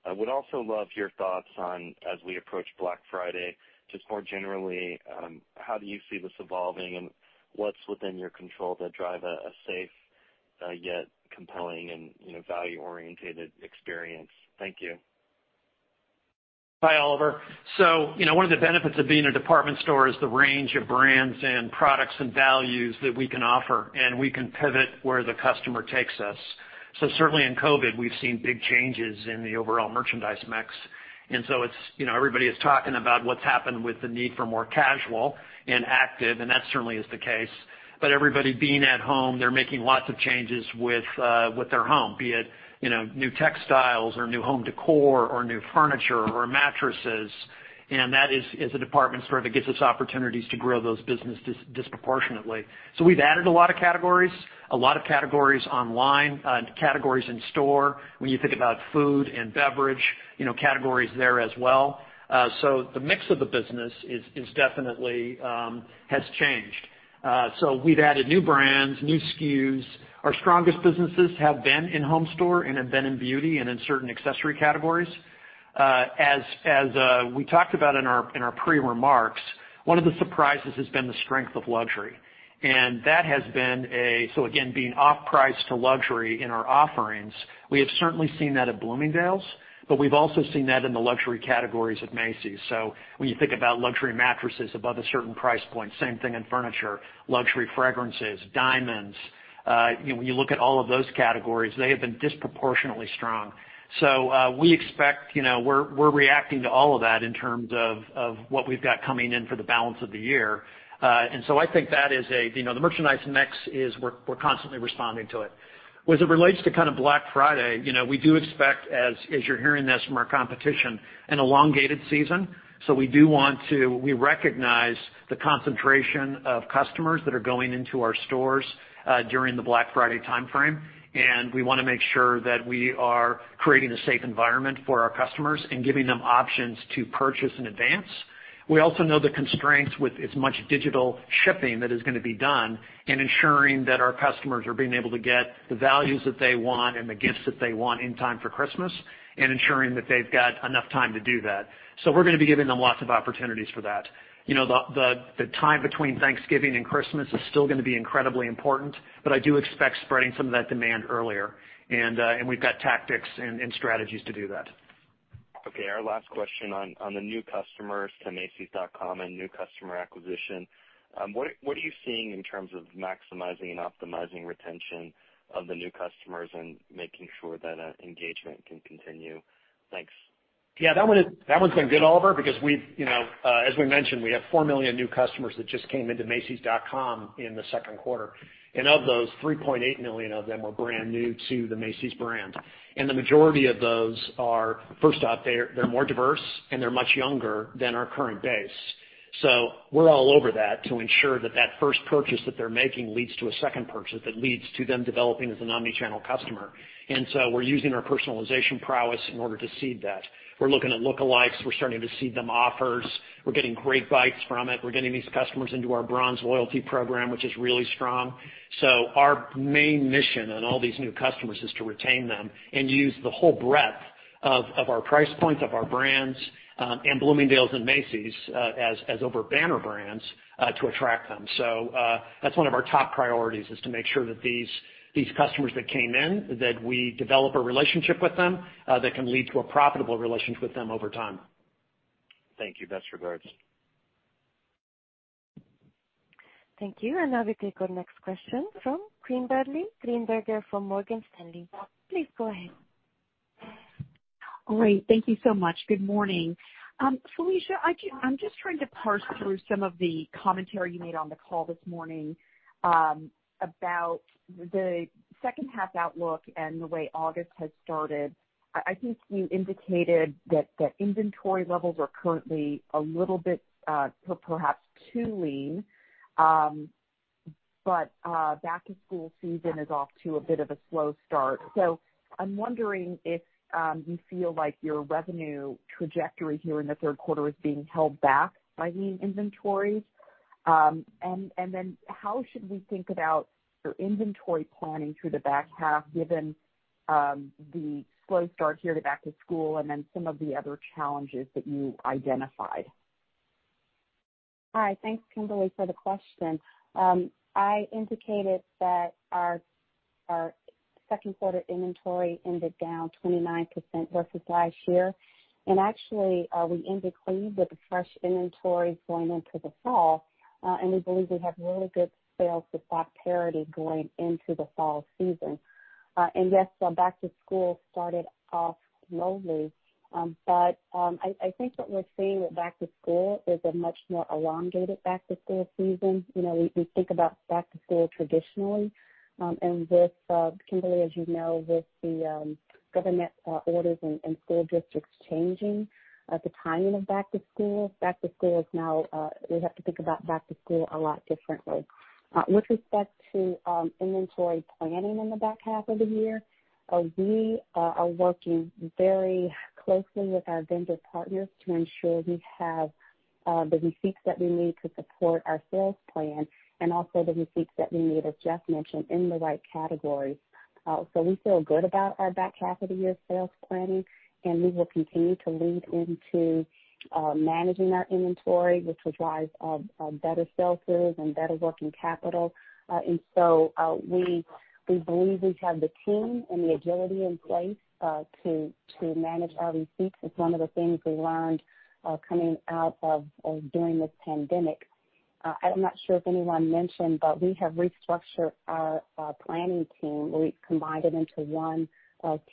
I would also love your thoughts on, as we approach Black Friday, just more generally, how do you see this evolving and what's within your control to drive a safe, yet compelling and value-orientated experience? Thank you. Hi, Oliver. One of the benefits of being a department store is the range of brands and products and values that we can offer, and we can pivot where the customer takes us. Certainly in COVID, we've seen big changes in the overall merchandise mix. Everybody is talking about what's happened with the need for more casual and active, and that certainly is the case. Everybody being at home, they're making lots of changes with their home, be it new textiles or new home decor or new furniture or mattresses. That, as a department store, that gives us opportunities to grow those businesses disproportionately. We've added a lot of categories, a lot of categories online, categories in store. When you think about food and beverage, categories there as well. The mix of the business definitely has changed. We've added new brands, new SKUs. Our strongest businesses have been in home store and have been in beauty and in certain accessory categories. As we talked about in our pre-remarks, one of the surprises has been the strength of luxury. That has been again, being off-price to luxury in our offerings, we have certainly seen that at Bloomingdale's, but we've also seen that in the luxury categories at Macy's. When you think about luxury mattresses above a certain price point, same thing in furniture, luxury fragrances, diamonds. When you look at all of those categories, they have been disproportionately strong. We're reacting to all of that in terms of what we've got coming in for the balance of the year. I think the merchandise mix is we're constantly responding to it. As it relates to Black Friday, we do expect, as you're hearing this from our competition, an elongated season. We recognize the concentration of customers that are going into our stores during the Black Friday timeframe, and we want to make sure that we are creating a safe environment for our customers and giving them options to purchase in advance. We also know the constraints with as much digital shipping that is going to be done and ensuring that our customers are being able to get the values that they want and the gifts that they want in time for Christmas and ensuring that they've got enough time to do that. We're going to be giving them lots of opportunities for that. The time between Thanksgiving and Christmas is still going to be incredibly important, but I do expect spreading some of that demand earlier. We've got tactics and strategies to do that. Okay, our last question on the new customers to macys.com and new customer acquisition. What are you seeing in terms of maximizing and optimizing retention of the new customers and making sure that engagement can continue? Thanks. Yeah, that one's been good, Oliver, as we mentioned, we have 4 million new customers that just came into macys.com in the second quarter. Of those, 3.8 million of them were brand new to the Macy's brand. The majority of those are, first off, they're more diverse and they're much younger than our current base. We're all over that to ensure that first purchase that they're making leads to a second purchase that leads to them developing as an omni-channel customer. We're using our personalization prowess in order to seed that. We're looking at lookalikes. We're starting to seed them offers. We're getting great bites from it. We're getting these customers into our Bronze loyalty program, which is really strong. Our main mission on all these new customers is to retain them and use the whole breadth of our price points, of our brands, and Bloomingdale's and Macy's as our banner brands to attract them. That's one of our top priorities, is to make sure that these customers that came in, that we develop a relationship with them that can lead to a profitable relationship with them over time. Thank you. Best regards. Thank you. Now we take our next question from Kimberly Greenberger from Morgan Stanley. Please go ahead. Great. Thank you so much. Good morning. Felicia, I'm just trying to parse through some of the commentary you made on the call this morning about the second half outlook and the way August has started. I think you indicated that inventory levels are currently a little bit perhaps too lean. Back-to-school season is off to a bit of a slow start. I'm wondering if you feel like your revenue trajectory here in the third quarter is being held back by lean inventories. How should we think about your inventory planning through the back half, given the slow start here to back-to-school and then some of the other challenges that you identified? Hi, thanks, Kimberly, for the question. I indicated that our second quarter inventory ended down 29% versus last year. Actually, we ended clean with fresh inventory going into the fall. We believe we have really good sales to stock parity going into the fall season. Yes, back-to-school started off slowly. I think what we're seeing with back-to-school is a much more elongated back to school season. We think about back-to-school traditionally, and with, Kimberly, as you know, with the government orders and school districts changing the timing of back-to-school, we have to think about back-to-school a lot differently. With respect to inventory planning in the back half of the year, we are working very closely with our vendor partners to ensure we have the receipts that we need to support our sales plan and also the receipts that we need, as Jeff mentioned, in the right categories. We feel good about our back half of the year sales planning, and we will continue to lean into managing our inventory, which will drive better sell-throughs and better working capital. We believe we have the team and the agility in place to manage our receipts. It's one of the things we learned coming out of, or during this pandemic. I'm not sure if anyone mentioned, but we have restructured our planning team. We combined it into one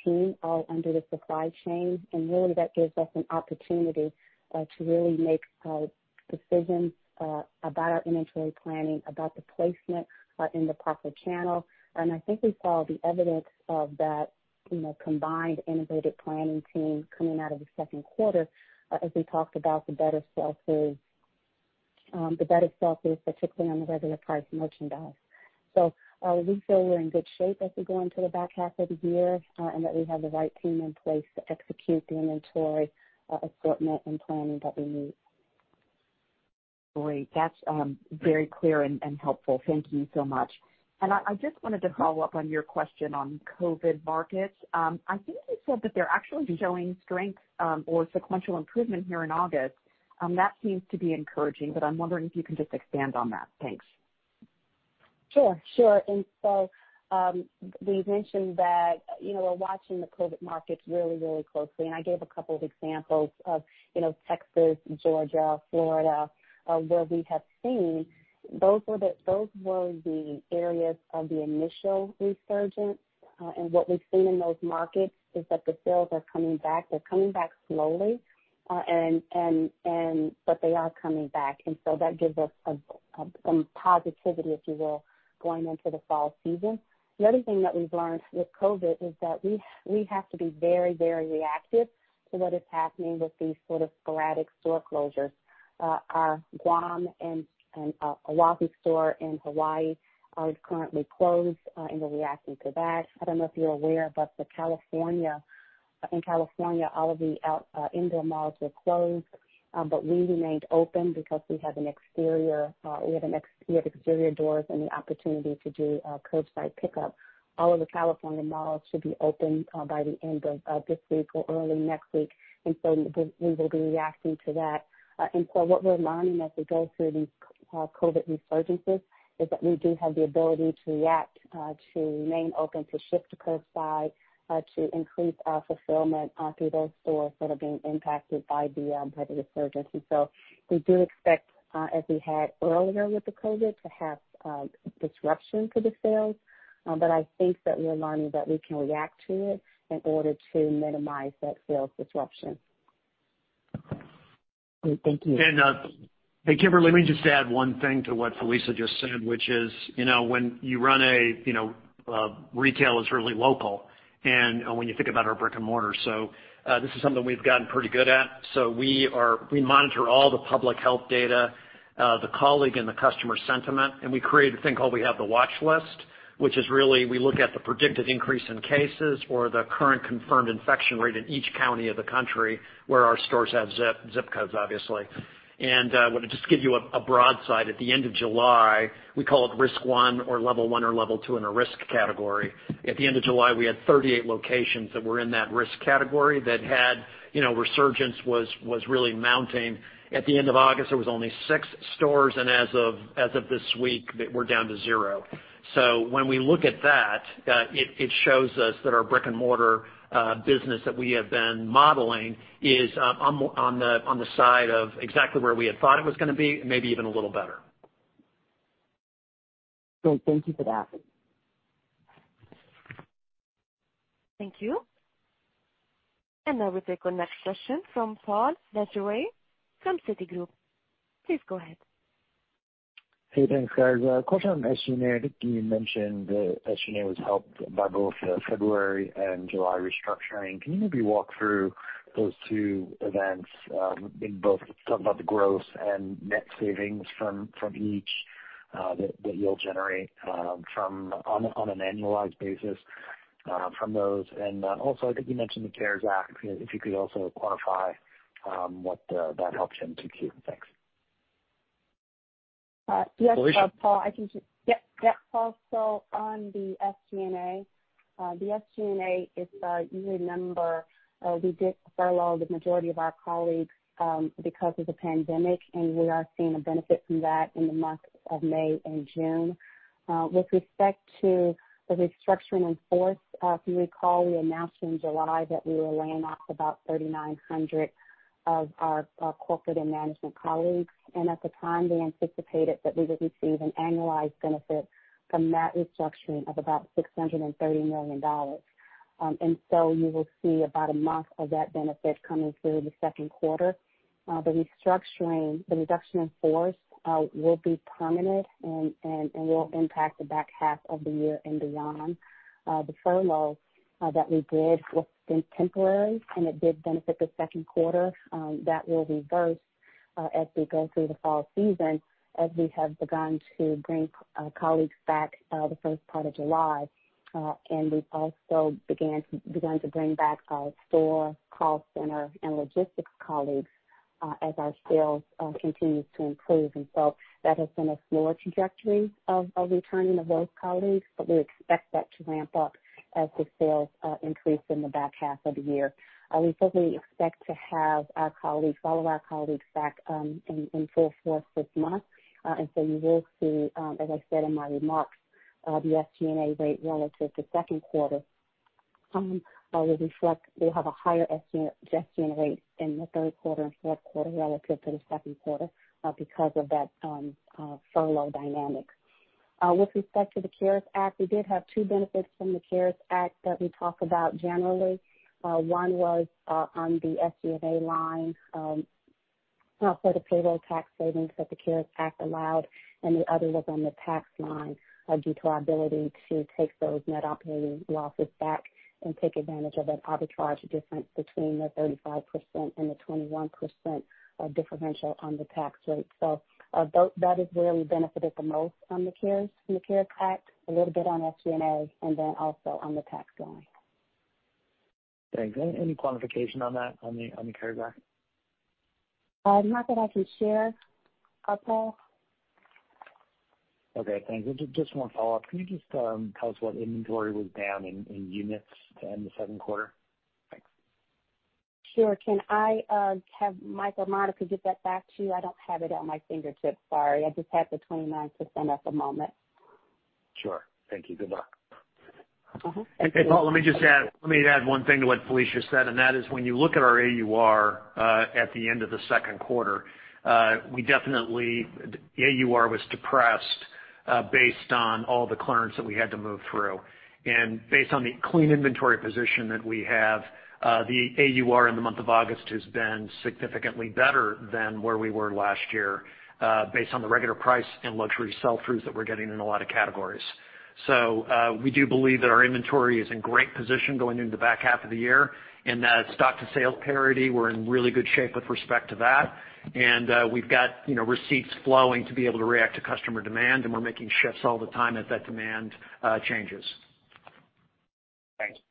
team all under the supply chain. Really that gives us an opportunity to really make decisions about our inventory planning, about the placement in the proper channel. I think we saw the evidence of that combined integrated planning team coming out of the second quarter as we talked about the better sell-throughs, particularly on the regular priced merchandise. We feel we're in good shape as we go into the back half of the year and that we have the right team in place to execute the inventory assortment and planning that we need. Great. That's very clear and helpful. Thank you so much. I just wanted to follow-up on your question on COVID markets. I think you said that they're actually showing strength or sequential improvement here in August. That seems to be encouraging, but I'm wondering if you can just expand on that. Thanks. Sure. We mentioned that we're watching the COVID markets really closely, and I gave a couple of examples of Texas, Georgia, Florida, where we have seen those were the areas of the initial resurgence. What we've seen in those markets is that the sales are coming back. They're coming back slowly, but they are coming back. That gives us some positivity, if you will, going into the fall season. The other thing that we've learned with COVID is that we have to be very reactive to what is happening with these sort of sporadic store closures. Our Guam and Oahu store in Hawaii is currently closed, and we're reacting to that. I don't know if you're aware, but in California, all of the indoor malls were closed. We remained open because we have exterior doors and the opportunity to do curbside pickup. All of the California malls should be open by the end of this week or early next week. We will be reacting to that. What we're learning as we go through these COVID resurgences is that we do have the ability to react, to remain open, to shift to curbside, to increase our fulfillment through those stores that are being impacted by the resurgences. We do expect, as we had earlier with the COVID, to have disruption to the sales. I think that we're learning that we can react to it in order to minimize that sales disruption. Great. Thank you. Hey, Kimberly, let me just add one thing to what Felicia just said, which is, when you run a retail that's really local, and when you think about our brick and mortar, this is something we've gotten pretty good at. We monitor all the public health data, the colleague and the customer sentiment, and we created a thing called we have the Watch List, which is really, we look at the predicted increase in cases or the current confirmed infection rate in each county of the country where our stores have ZIP codes, obviously. Want to just give you a broad side, at the end of July, we call it risk 1 or level 1 or level 2 in a risk category. At the end of July, we had 38 locations that were in that risk category that had resurgence was really mounting. At the end of August, there was only six stores. As of this week, we're down to zero. When we look at that, it shows us that our brick-and-mortar business that we have been modeling is on the side of exactly where we had thought it was going to be and maybe even a little better. Great. Thank you for that. Thank you. I will take our next question from Paul Lejuez from Citigroup. Please go ahead. Hey, thanks, guys. A question on SG&A. I think you mentioned that SG&A was helped by both the February and July restructuring. Can you maybe walk through those two events in both, talk about the growth and net savings from each that you'll generate on an annualized basis from those? Also, I think you mentioned the CARES Act, if you could also quantify what that helped in 2Q. Thanks. Yes, Paul. Felicia. Yep. Paul, on the SG&A. The SG&A is, you remember, we did furlough the majority of our colleagues because of the pandemic, and we are seeing a benefit from that in the months of May and June. With respect to the restructuring in force, if you recall, we announced in July that we were laying off about 3,900 of our corporate and management colleagues. At the time, we anticipated that we would receive an annualized benefit from that restructuring of about $630 million. You will see about a month of that benefit coming through the second quarter. The restructuring, the reduction in force, will be permanent and will impact the back half of the year and beyond. The furlough that we did was temporary, and it did benefit the second quarter. That will reverse as we go through the fall season as we have begun to bring colleagues back the first part of July. We've also begun to bring back our store, call center, and logistics colleagues as our sales continues to improve. That has been a slower trajectory of returning of those colleagues, but we expect that to ramp up as the sales increase in the back half of the year. We certainly expect to have all of our colleagues back in full force this month. You will see, as I said in my remarks, we'll have a higher SG&A rate in the third quarter and fourth quarter relative to the second quarter because of that furlough dynamic. With respect to the CARES Act, we did have two benefits from the CARES Act that we talk about generally. One was on the SG&A line for the payroll tax savings that the CARES Act allowed, and the other was on the tax line due to our ability to take those net operating losses back and take advantage of an arbitrage difference between the 35% and the 21% differential on the tax rate. That is where we benefited the most on the CARES Act, a little bit on SG&A and then also on the tax line. Thanks. Any quantification on that, on the CARES Act? Not that I can share, Paul. Okay, thanks. Just one follow-up. Can you just tell us what inventory was down in units to end the second quarter? Thanks. Sure. Can I have Mike or Martha get that back to you? I don't have it at my fingertips. Sorry. I just have the 29% at the moment. Sure. Thank you. Goodbye. Mm-hmm. Thank you. Hey, Paul, let me just add one thing to what Felicia said, that is when you look at our AUR at the end of the second quarter, the AUR was depressed based on all the clearance that we had to move through. Based on the clean inventory position that we have, the AUR in the month of August has been significantly better than where we were last year based on the regular price and luxury sell-throughs that we're getting in a lot of categories. We do believe that our inventory is in great position going into the back half of the year and that stock to sales parity, we're in really good shape with respect to that. We've got receipts flowing to be able to react to customer demand, and we're making shifts all the time as that demand changes. Thanks. Thank you.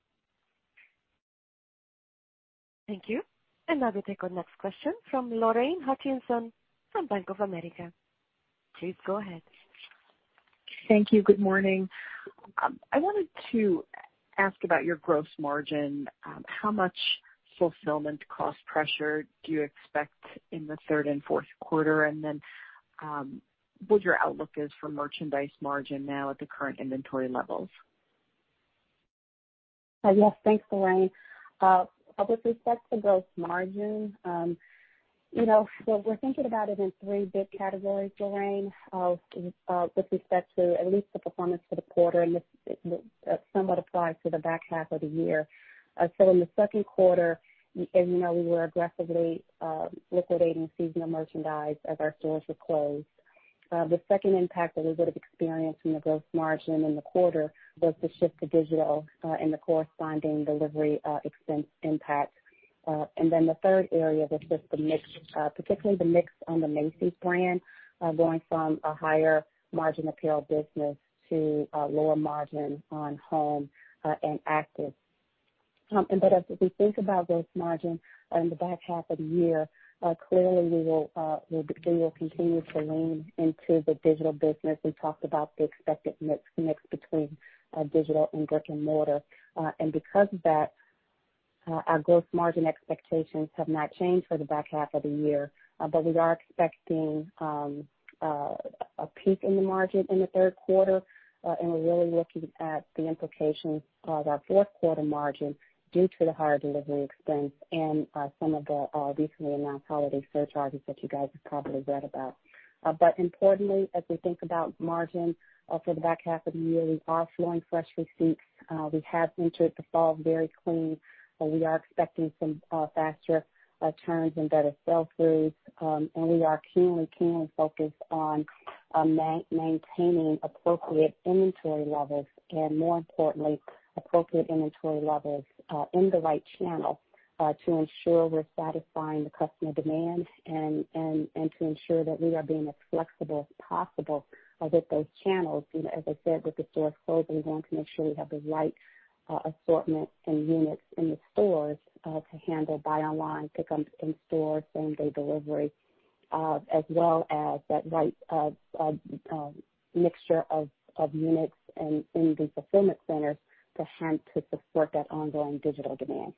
I will take our next question from Lorraine Hutchinson from Bank of America. Please go ahead. Thank you. Good morning. I wanted to ask about your gross margin. How much fulfillment cost pressure do you expect in the third and fourth quarter? What your outlook is for merchandise margin now at the current inventory levels. Yes, thanks, Lorraine. With respect to gross margin, we're thinking about it in three big categories, Lorraine, with respect to at least the performance for the quarter, and this somewhat applies to the back half of the year. In the second quarter, as you know, we were aggressively liquidating seasonal merchandise as our stores were closed. The second impact that we would have experienced in the gross margin in the quarter was the shift to digital and the corresponding delivery expense impact. The third area was just the mix, particularly the mix on the Macy's brand, going from a higher margin apparel business to a lower margin on home and active. As we think about gross margin in the back half of the year, clearly we will continue to lean into the digital business. We talked about the expected mix between digital and brick-and-mortar. Because of that, our gross margin expectations have not changed for the back half of the year. We are expecting a peak in the margin in the third quarter, and we're really looking at the implications of our fourth quarter margin due to the higher delivery expense and some of the recently announced holiday surcharges that you guys have probably read about. Importantly, as we think about margin for the back half of the year, we are flowing fresh receipts. We have entered the fall very clean. We are expecting some faster turns and better sell-throughs. We are keenly focused on maintaining appropriate inventory levels and, more importantly, appropriate inventory levels in the right channel to ensure we're satisfying the customer demand and to ensure that we are being as flexible as possible with those channels. As I said, with the stores closed, we want to make sure we have the right assortment and units in the stores to handle buy online, pick-up in store, same-day delivery, as well as that right mixture of units in these fulfillment centers to hand, to support that ongoing digital demand.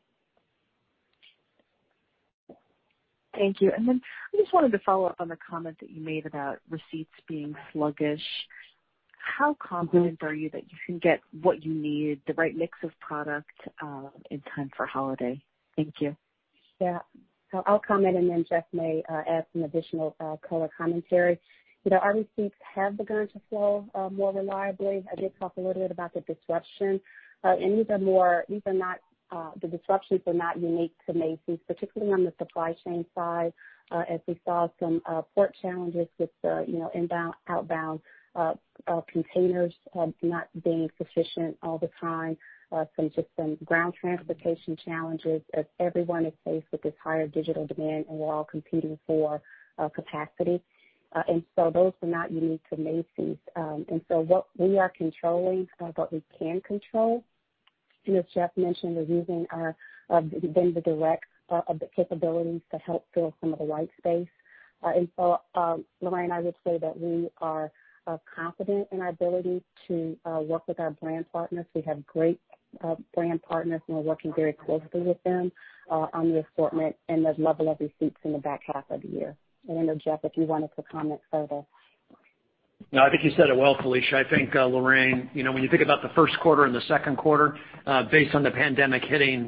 Thank you. I just wanted to follow up on the comment that you made about receipts being sluggish. How confident are you that you can get what you need, the right mix of product, in time for holiday? Thank you. I'll comment, and then Jeff may add some additional color commentary. Our receipts have begun to flow more reliably. I did talk a little bit about the disruption. These disruptions are not unique to Macy's, particularly on the supply chain side, as we saw some port challenges with the inbound, outbound containers not being sufficient all the time. Some ground transportation challenges as everyone is faced with this higher digital demand, and we're all competing for capacity. Those are not unique to Macy's. What we are controlling are what we can control. As Jeff mentioned, we're using our vendor direct capabilities to help fill some of the white space. Lorraine, I would say that we are confident in our ability to work with our brand partners. We have great brand partners, and we're working very closely with them on the assortment and the level of receipts in the back half of the year. I know, Jeff, if you wanted to comment further. I think you said it well, Felicia. I think, Lorraine, when you think about the first quarter and the second quarter, based on the pandemic hitting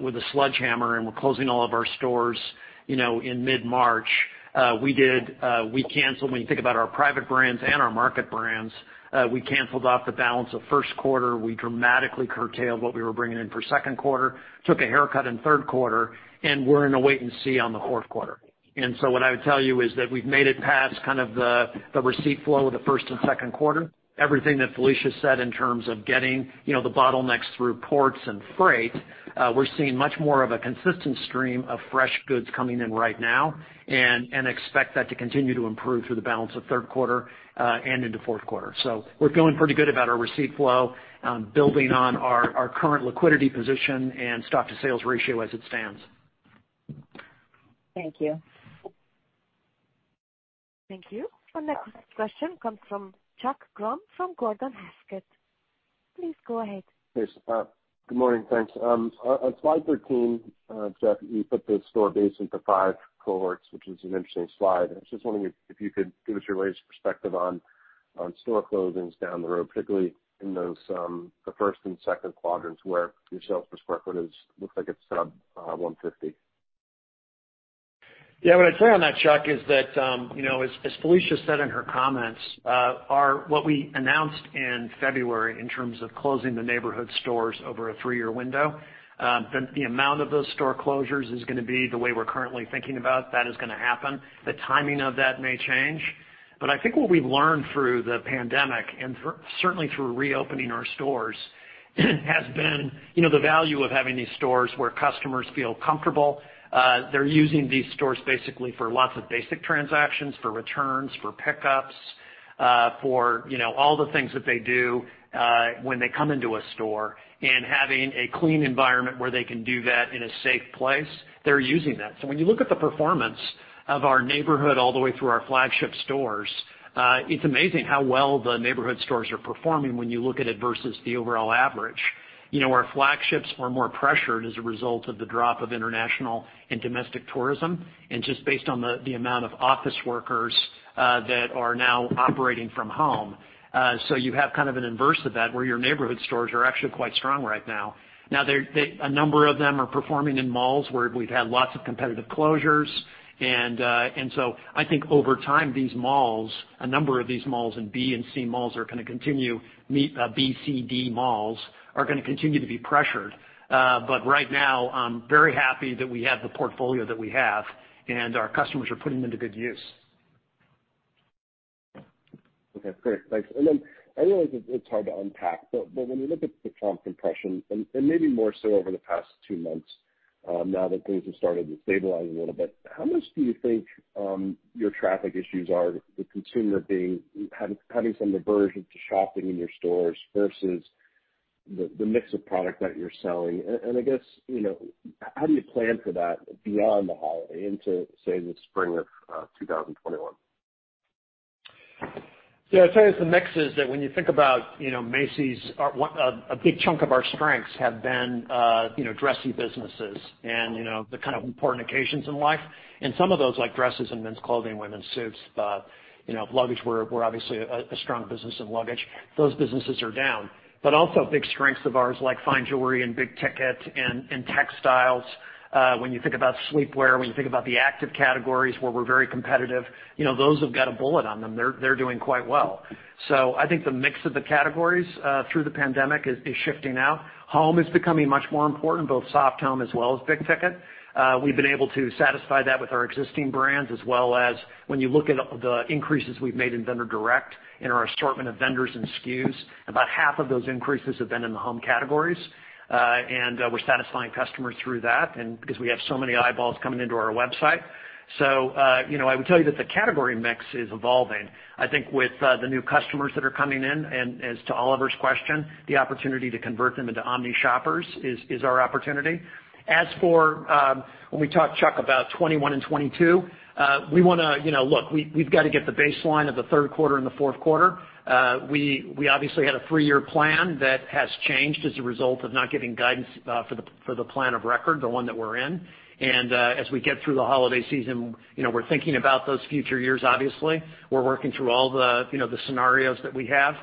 with a sledgehammer and we're closing all of our stores in mid-March. When you think about our private brands and our market brands, we canceled off the balance of first quarter. We dramatically curtailed what we were bringing in for second quarter, took a haircut in third quarter, and we're in a wait and see on the fourth quarter. What I would tell you is that we've made it past the receipt flow of the first and second quarter. Everything that Felicia said in terms of getting the bottlenecks through ports and freight, we're seeing much more of a consistent stream of fresh goods coming in right now and expect that to continue to improve through the balance of third quarter and into fourth quarter. We're feeling pretty good about our receipt flow, building on our current liquidity position and stock to sales ratio as it stands. Thank you. Thank you. Our next question comes from Chuck Grom from Gordon Haskett. Please go ahead. Yes. Good morning, thanks. On slide 13, Jeff, you put the store base into five cohorts, which is an interesting slide. I was just wondering if you could give us your latest perspective on store closings down the road, particularly in the first and second quadrants where your sales per square foot looks like it's sub $150. Yeah. What I'd say on that, Chuck, is that, as Felicia said in her comments, what we announced in February in terms of closing the neighborhood stores over a three-year window, the amount of those store closures is going to be the way we're currently thinking about that is going to happen. The timing of that may change, but I think what we've learned through the pandemic, and certainly through reopening our stores, has been the value of having these stores where customers feel comfortable. They're using these stores basically for lots of basic transactions, for returns, for pickups, for all the things that they do when they come into a store. Having a clean environment where they can do that in a safe place, they're using that. When you look at the performance of our neighborhood all the way through our flagship stores, it's amazing how well the neighborhood stores are performing when you look at it versus the overall average. Our flagships were more pressured as a result of the drop of international and domestic tourism, and just based on the amount of office workers that are now operating from home. You have an inverse of that, where your neighborhood stores are actually quite strong right now. A number of them are performing in malls where we've had lots of competitive closures. I think over time, a number of these malls and B, C, D malls are going to continue to be pressured. Right now, I'm very happy that we have the portfolio that we have, and our customers are putting them to good use. Okay, great. Thanks. I realize it's hard to unpack, but when you look at the comp compression and maybe more so over the past two months, now that things have started to stabilize a little bit, how much do you think your traffic issues are the consumer having some aversion to shopping in your stores versus the mix of product that you're selling? I guess, how do you plan for that beyond the holiday into, say, the spring of 2021? Yeah, I'll tell you, it's the mixes that when you think about Macy's, a big chunk of our strengths have been dressy businesses and the kind of important occasions in life. Some of those, like dresses and men's clothing, women's suits, luggage, we're obviously a strong business in luggage. Those businesses are down. Also big strengths of ours, like fine jewelry and big ticket and textiles. When you think about sleepwear, when you think about the active categories where we're very competitive, those have got a bullet on them. They're doing quite well. I think the mix of the categories through the pandemic is shifting now. Home is becoming much more important, both soft home as well as big ticket. We've been able to satisfy that with our existing brands as well as when you look at the increases we've made in Vendor Direct, in our assortment of vendors and SKUs. About half of those increases have been in the home categories. We're satisfying customers through that because we have so many eyeballs coming into our website. I would tell you that the category mix is evolving. I think with the new customers that are coming in, and as to Oliver's question, the opportunity to convert them into omni shoppers is our opportunity. As for when we talk, Chuck, about 2021 and 2022, look, we've got to get the baseline of the third quarter and the fourth quarter. We obviously had a three-year plan that has changed as a result of not giving guidance for the plan of record, the one that we're in. As we get through the holiday season, we're thinking about those future years, obviously. We're working through all the scenarios that we have.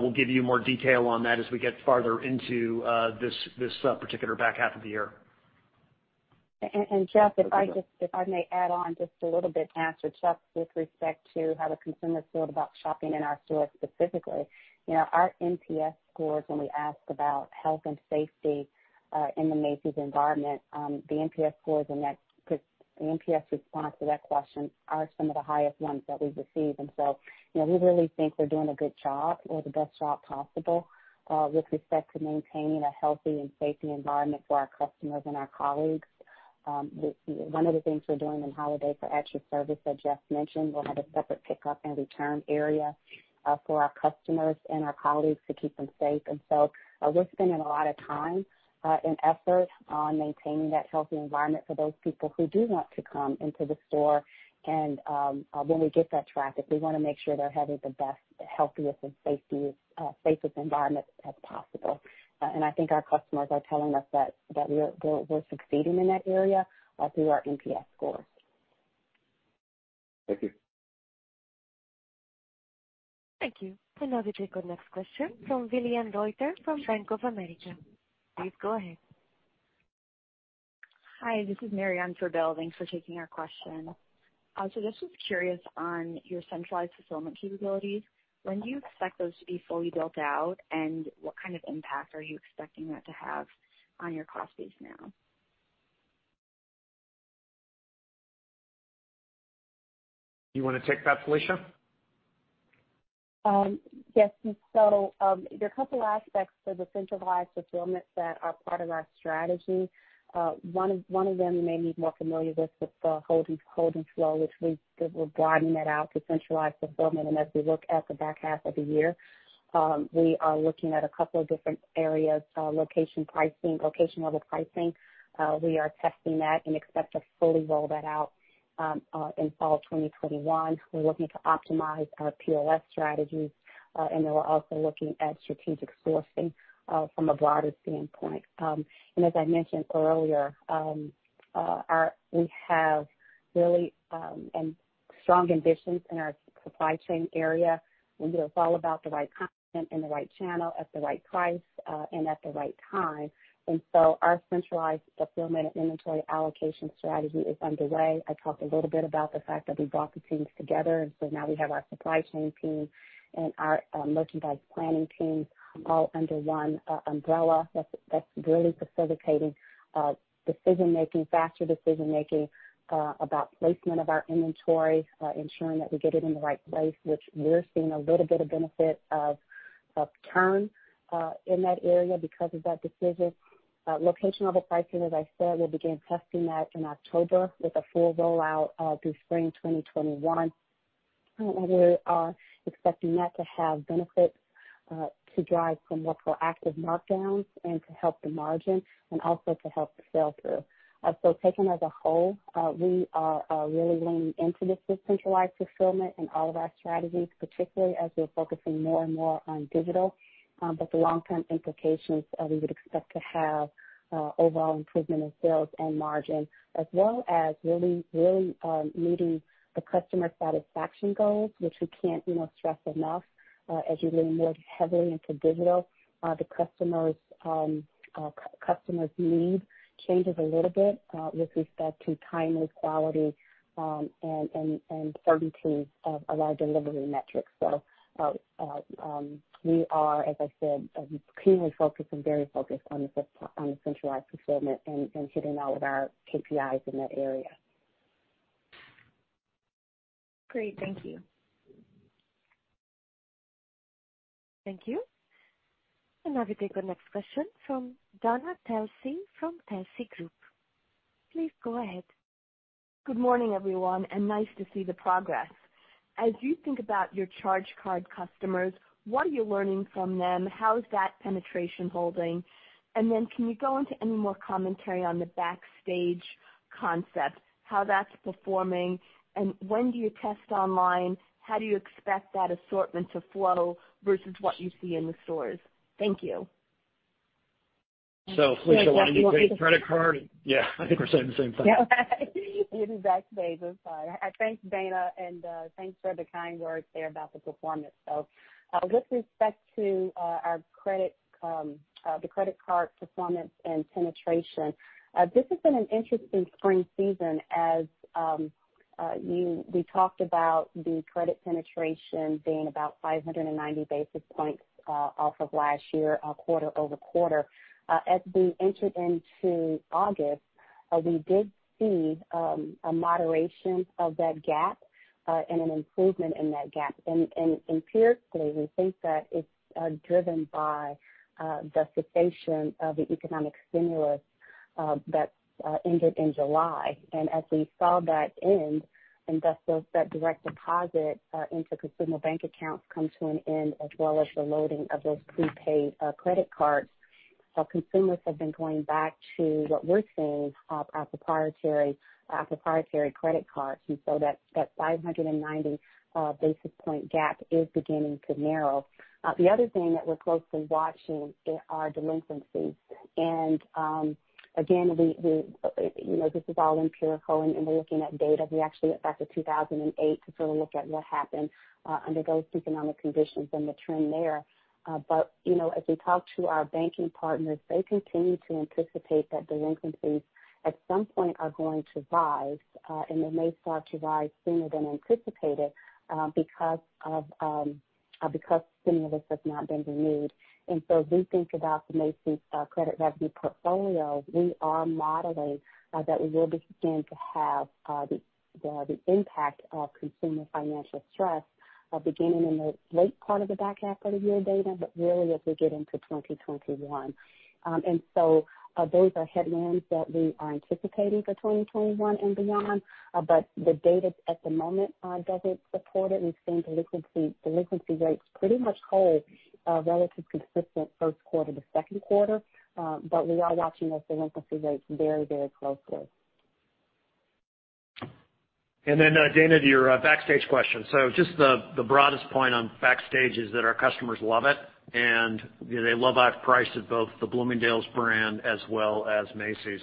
We'll give you more detail on that as we get farther into this particular back half of the year. Jeff, if I may add on just a little bit after Chuck with respect to how the consumers feel about shopping in our stores specifically. Our NPS scores, when we ask about health and safety, in the Macy's environment, the NPS response to that question are some of the highest ones that we receive. We really think we're doing a good job or the best job possible, with respect to maintaining a healthy and safe environment for our customers and our colleagues. One of the things we're doing in holiday for extra service that Jeff mentioned, we'll have a separate pickup and return area, for our customers and our colleagues to keep them safe. We're spending a lot of time, and effort on maintaining that healthy environment for those people who do want to come into the store. When we get that traffic, we want to make sure they're having the best, healthiest, and safest environment as possible. I think our customers are telling us that we're succeeding in that area, through our NPS scores. Thank you. Thank you. Now we take our next question from William Reuter from Bank of America. Please go ahead. Hi, this is Mary on for Bill. Thanks for taking our question. I just was curious on your centralized fulfillment capabilities. When do you expect those to be fully built out, and what kind of impact are you expecting that to have on your cost base now? Do you want to take that, Felicia? Yes. There are a couple aspects to the centralized fulfillment that are part of our strategy. One of them you may be more familiar with the hold and flow, which we're broadening that out to centralized fulfillment. As we look at the back half of the year, we are looking at a couple of different areas, location level pricing. We are testing that and expect to fully roll that out in fall 2021. We're looking to optimize our POS strategies, and then we're also looking at strategic sourcing from a broader standpoint. As I mentioned earlier, we have really strong ambitions in our supply chain area. We are all about the right content and the right channel at the right price, and at the right time. Our centralized fulfillment and inventory allocation strategy is underway. I talked a little bit about the fact that we brought the teams together. Now we have our supply chain team and our merchandise planning team all under one umbrella. That's really facilitating decision making, faster decision-making, about placement of our inventory, ensuring that we get it in the right place, which we're seeing a little bit of benefit of turn in that area because of that decision. Location-level pricing, as I said, we'll begin testing that in October with a full rollout through spring 2021. We are expecting that to have benefits, to drive some more proactive markdowns and to help the margin and also to help the sell-through. Taken as a whole, we are really leaning into this with centralized fulfillment and all of our strategies, particularly as we're focusing more and more on digital. The long-term implications, we would expect to have overall improvement in sales and margin as well as really meeting the customer satisfaction goals, which we can't stress enough. As you lean more heavily into digital, the customer's needs changes a little bit, with respect to timeliness, quality, and certainty of our delivery metrics. We are, as I said, keenly focused and very focused on the centralized fulfillment and hitting all of our KPIs in that area. Great. Thank you. Thank you. Now we take our next question from Dana Telsey from Telsey Group. Please go ahead. Good morning, everyone. Nice to see the progress. As you think about your charge card customers, what are you learning from them? How is that penetration holding? Can you go into any more commentary on the Backstage concept, how that's performing, and when do you test online? How do you expect that assortment to flow versus what you see in the stores? Thank you. Felicia, why don't you take the credit card? Yeah, I think we're saying the same thing. Yeah. Giving back to Dana. Sorry. Thanks, Dana, and thanks for the kind words there about the performance. With respect to the credit card performance and penetration, this has been an interesting spring season as we talked about the credit penetration being about 590 basis points off of last year, quarter-over-quarter. As we entered into August, we did see a moderation of that gap, and an improvement in that gap. Empirically, we think that it's driven by the cessation of the economic stimulus that ended in July. As we saw that end and that direct deposit into consumer bank accounts come to an end, as well as the loading of those prepaid credit cards. Consumers have been going back to what we're seeing off our proprietary credit cards. That 590 basis point gap is beginning to narrow. The other thing that we're closely watching are delinquencies. Again, this is all empirical, and we're looking at data. We actually looked back to 2008 to sort of look at what happened under those economic conditions and the trend there. As we talk to our banking partners, they continue to anticipate that delinquencies at some point are going to rise, and they may start to rise sooner than anticipated because stimulus has not been renewed. As we think about the Macy's credit revenue portfolio, we are modeling that we will begin to have the impact of consumer financial stress beginning in the late part of the back half of the year data, but really as we get into 2021. Those are headwinds that we are anticipating for 2021 and beyond. The data at the moment doesn't support it. We've seen delinquency rates pretty much hold relative consistent first quarter to second quarter. We are watching those delinquency rates very closely. Dana, to your Backstage question. Just the broadest point on Backstage is that our customers love it, and they love our prices, both the Bloomingdale's brand as well as Macy's.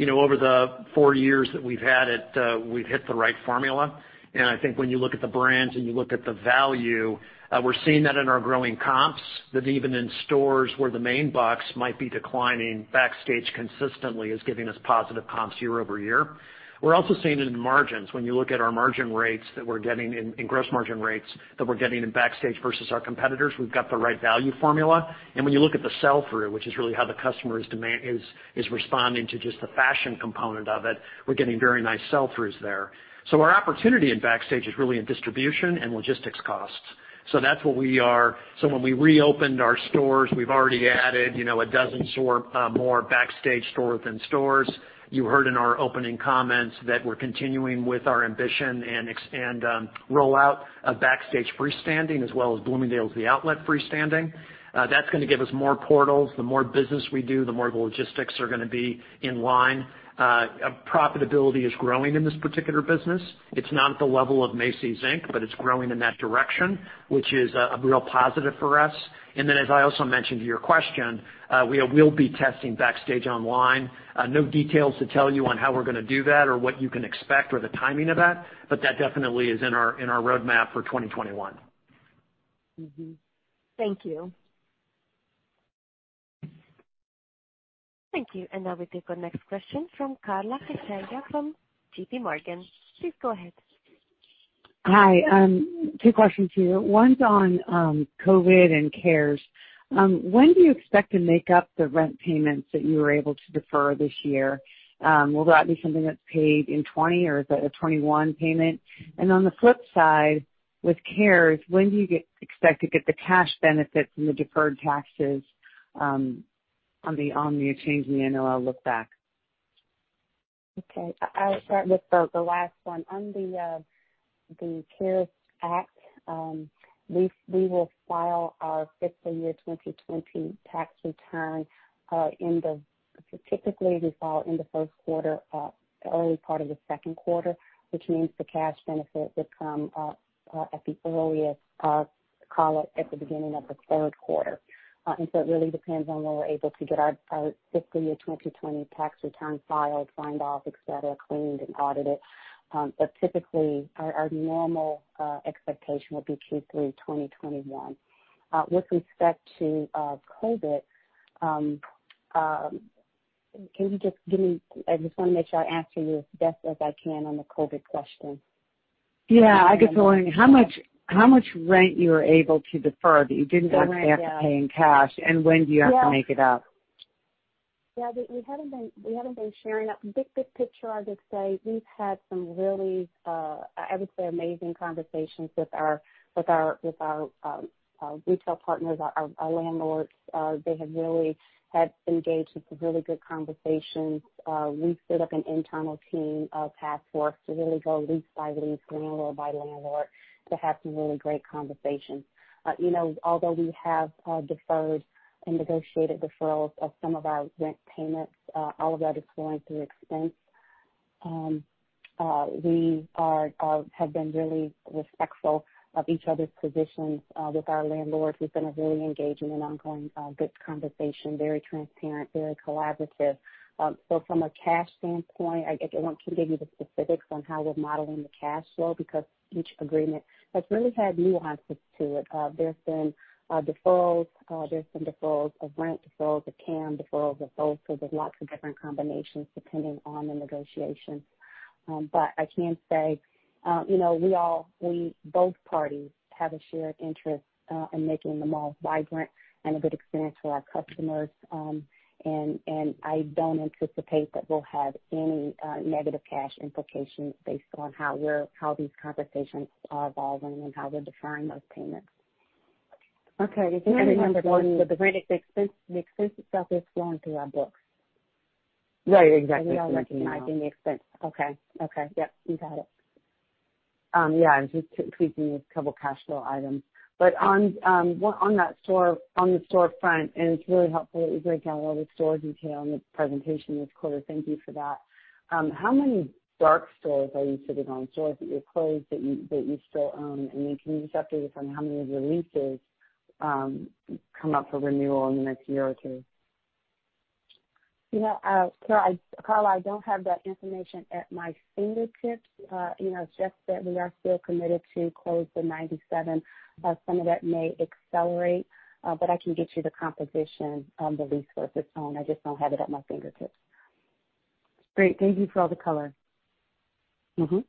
Over the four years that we've had it, we've hit the right formula. I think when you look at the brands and you look at the value, we're seeing that in our growing comps, that even in stores where the main boxes might be declining, Backstage consistently is giving us positive comps year-over-year. We're also seeing it in margins. When you look at our margin rates that we're getting, and gross margin rates that we're getting in Backstage versus our competitors, we've got the right value formula. When you look at the sell-through, which is really how the customer is responding to just the fashion component of it, we're getting very nice sell-throughs there. Our opportunity in Backstage is really in distribution and logistics costs. When we reopened our stores, we've already added 12 store, more Backstage stores within stores. You heard in our opening comments that we're continuing with our ambition and rollout of Backstage freestanding as well as Bloomingdale's The Outlet freestanding. That's going to give us more portals. The more business we do, the more the logistics are going to be in line. Profitability is growing in this particular business. It's not at the level of Macy's, Inc, but it's growing in that direction, which is a real positive for us. As I also mentioned to your question, we will be testing Backstage online. No details to tell you on how we're going to do that or what you can expect or the timing of that, but that definitely is in our roadmap for 2021. Mm-hmm. Thank you. Thank you. Now we take our next question from Carla Casella from JPMorgan. Please go ahead. Hi. Two questions for you. One's on COVID and CARES. When do you expect to make up the rent payments that you were able to defer this year? Will that be something that's paid in 2020 or is it a 2021 payment? On the flip side, with CARES, when do you expect to get the cash benefit from the deferred taxes on the change in the NOL look back? Okay. I'll start with the last one. On the CARES Act, we will file our fiscal year 2020 tax return typically, we file in the first quarter, early part of the second quarter, which means the cash benefit would come at the earliest, call it, at the beginning of the third quarter. It really depends on when we're able to get our fiscal year 2020 tax return filed, signed off, et cetera, cleaned, and audited. Typically, our normal expectation would be Q3 2021. With respect to COVID, can you just I just want to make sure I answer you as best as I can on the COVID question. Yeah. I guess wondering how much rent you were able to defer that you didn't actually have to pay in cash, and when do you have to make it up? Yeah. We haven't been sharing that. Big picture, I would say we've had some really, I would say, amazing conversations with our retail partners, our landlords. They have really engaged with some really good conversations. We've set up an internal team of task force to really go lease by lease, landlord by landlord, to have some really great conversations. Although we have deferred and negotiated deferrals of some of our rent payments, all of that is flowing through expense. We have been really respectful of each other's positions with our landlords. We've been a really engaged in an ongoing good conversation, very transparent, very collaborative. From a cash standpoint, I won't give you the specifics on how we're modeling the cash flow because each agreement has really had nuances to it. There's been deferrals of rent, deferrals of CAM, deferrals of both. There's lots of different combinations depending on the negotiations. I can say, both parties have a shared interest in making the mall vibrant and a good experience for our customers. I don't anticipate that we'll have any negative cash implications based on how these conversations are evolving and how we're deferring those payments. Okay. Remember, the rent expense stuff is flowing through our books. Right, exactly. You're already recognizing the expense. Okay. Yep, you got it. Yeah, I was just tweaking a couple of cash flow items. On the storefront, it's really helpful that you break down all the store detail in the presentation this quarter. Thank you for that. How many dark stores are you sitting on, stores that you've closed that you still own? Can you just update us on how many of your leases come up for renewal in the next year or two? Carla, I don't have that information at my fingertips. Just that we are still committed to close the 97. Some of that may accelerate, but I can get you the composition of the lease versus own. I just don't have it at my fingertips. Great. Thank you for all the color. Thank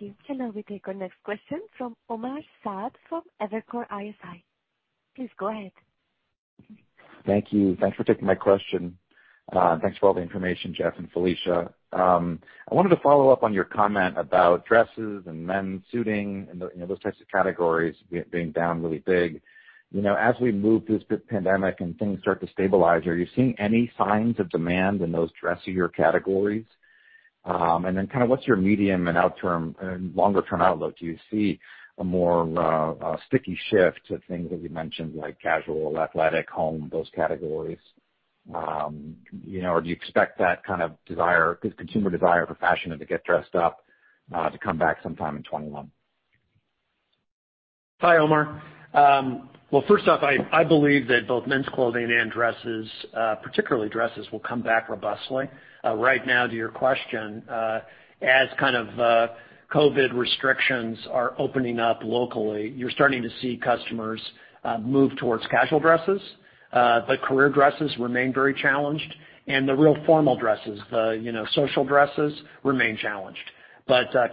you. Shall we take our next question from Omar Saad from Evercore ISI. Please go ahead. Thank you. Thanks for taking my question. Thanks for all the information, Jeff and Felicia. I wanted to follow up on your comment about dresses and men's suiting and those types of categories being down really big. As we move through this pandemic and things start to stabilize, are you seeing any signs of demand in those dressier categories? What's your medium and longer-term outlook? Do you see a more sticky shift to things that you mentioned, like casual, athletic, home, those categories? Or do you expect that consumer desire for fashion and to get dressed up to come back sometime in 2021? Hi, Omar. Well, first off, I believe that both men's clothing and dresses, particularly dresses, will come back robustly. Right now to your question, as COVID restrictions are opening up locally, you're starting to see customers move towards casual dresses. The career dresses remain very challenged, and the real formal dresses, the social dresses remain challenged.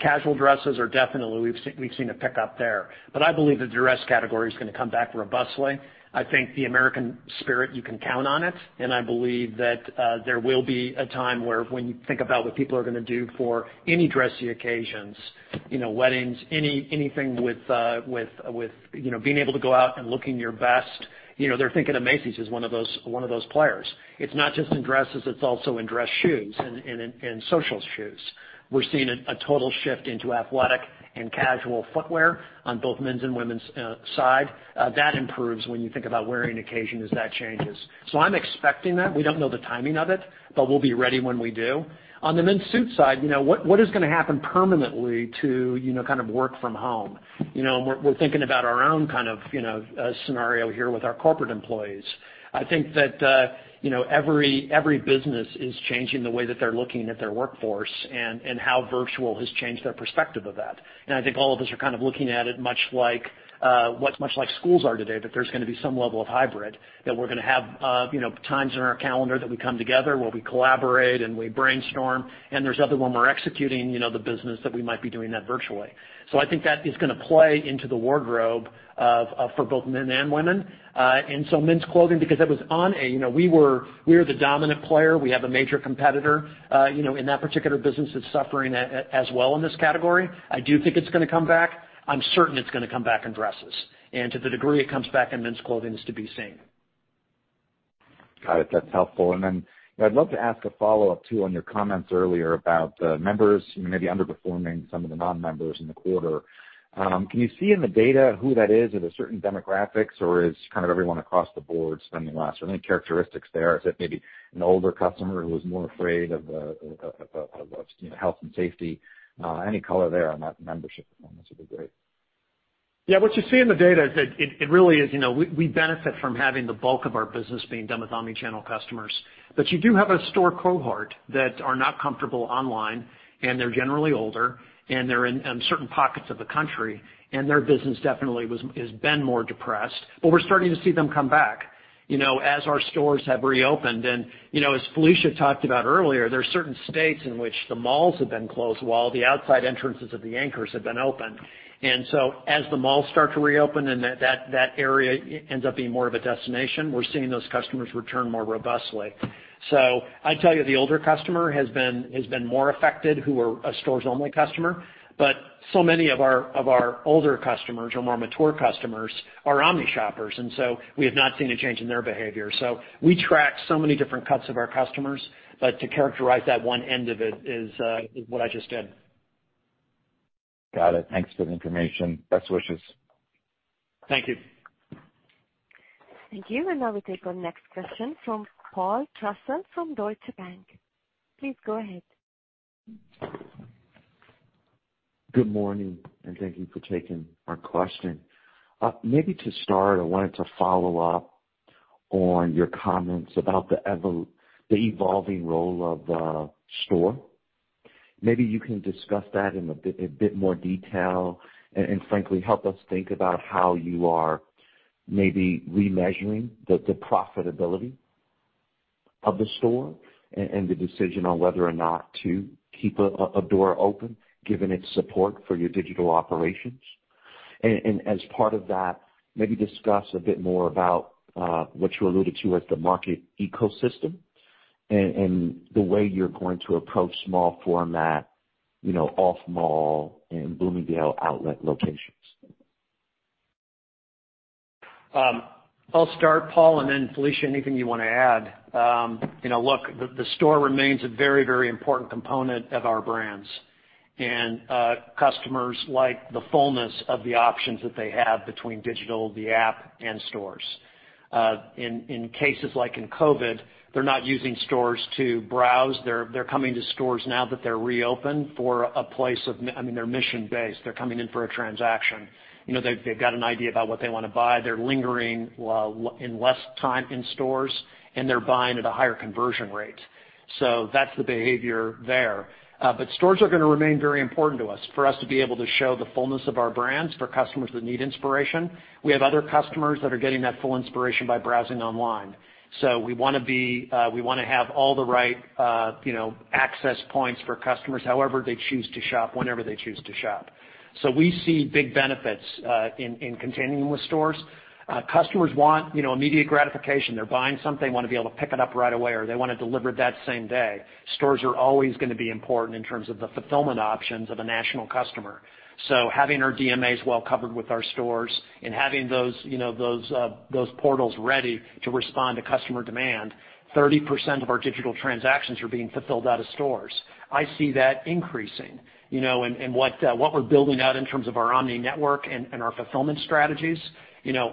Casual dresses are definitely, we've seen a pickup there. I believe that the dress category is going to come back robustly. I think the American spirit, you can count on it, and I believe that there will be a time where when you think about what people are going to do for any dressy occasions, weddings, anything with being able to go out and looking your best, they are thinking of Macy's as one of those players. It's not just in dresses, it's also in dress shoes and social shoes. We're seeing a total shift into athletic and casual footwear on both men's and women's side. That improves when you think about wearing occasion as that changes. I'm expecting that. We don't know the timing of it, but we'll be ready when we do. On the men's suit side, what is going to happen permanently to work from home? We're thinking about our own scenario here with our corporate employees. I think that every business is changing the way that they're looking at their workforce and how virtual has changed their perspective of that. I think all of us are looking at it much like schools are today, that there's going to be some level of hybrid, that we're going to have times in our calendar that we come together where we collaborate and we brainstorm, and there's other, when we're executing the business, that we might be doing that virtually. I think that is going to play into the wardrobe for both men and women. Men's clothing, because we are the dominant player. We have a major competitor in that particular business that's suffering as well in this category. I do think it's going to come back. I'm certain it's going to come back in dresses. To the degree it comes back in men's clothing is to be seen. Got it. That's helpful. I'd love to ask a follow-up too, on your comments earlier about the members maybe underperforming some of the non-members in the quarter. Can you see in the data who that is? Are there certain demographics or is everyone across the board spending less, or any characteristics there? Is it maybe an older customer who is more afraid of health and safety? Any color there on that membership performance would be great. What you see in the data is that we benefit from having the bulk of our business being done with omni-channel customers. You do have a store cohort that are not comfortable online, and they're generally older, and they're in certain pockets of the country, and their business definitely has been more depressed. We're starting to see them come back as our stores have reopened. As Felicia talked about earlier, there are certain states in which the malls have been closed while the outside entrances of the anchors have been open. As the malls start to reopen and that area ends up being more of a destination, we're seeing those customers return more robustly. I'd tell you the older customer has been more affected who are a stores-only customer. So many of our older customers or more mature customers are omni shoppers, and so we have not seen a change in their behavior. We track so many different cuts of our customers. To characterize that one end of it is what I just did. Got it. Thanks for the information. Best wishes. Thank you. Thank you. Now we take our next question from Paul Trussell from Deutsche Bank. Please go ahead. Good morning, and thank you for taking our question. Maybe to start, I wanted to follow-up on your comments about the evolving role of the store. Maybe you can discuss that in a bit more detail, and frankly, help us think about how you are maybe remeasuring the profitability of the store and the decision on whether or not to keep a door open, given its support for your digital operations. As part of that, maybe discuss a bit more about what you alluded to as the market ecosystem and the way you're going to approach small format, off-mall, and Bloomingdale's outlet locations. I'll start, Paul, and then Felicia, anything you want to add. Look, the store remains a very important component of our brands. Customers like the fullness of the options that they have between digital, the app, and stores. In cases like in COVID, they're not using stores to browse. They're coming to stores now that they're reopened. They're mission-based. They're coming in for a transaction. They've got an idea about what they want to buy. They're lingering in less time in stores, and they're buying at a higher conversion rate. That's the behavior there. Stores are going to remain very important to us for us to be able to show the fullness of our brands for customers that need inspiration. We have other customers that are getting that full inspiration by browsing online. We want to have all the right access points for customers however they choose to shop, whenever they choose to shop. We see big benefits in continuing with stores. Customers want immediate gratification. They're buying something, want to be able to pick it up right away, or they want it delivered that same day. Stores are always going to be important in terms of the fulfillment options of a national customer. Having our DMAs well covered with our stores and having those portals ready to respond to customer demand, 30% of our digital transactions are being fulfilled out of stores. I see that increasing. What we're building out in terms of our omni network and our fulfillment strategies,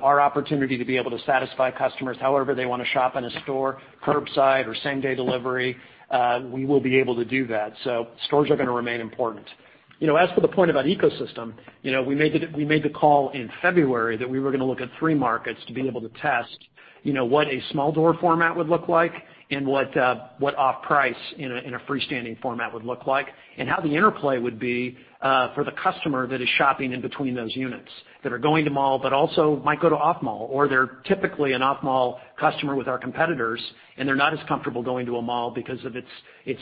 our opportunity to be able to satisfy customers however they want to shop in a store, curbside or same-day delivery, we will be able to do that. Stores are going to remain important. As for the point about ecosystem, we made the call in February that we were going to look at three markets to be able to test what a small door format would look like and what off-price in a freestanding format would look like, and how the interplay would be for the customer that is shopping in between those units, that are going to mall, but also might go to off-mall, or they're typically an off-mall customer with our competitors, and they're not as comfortable going to a mall because of its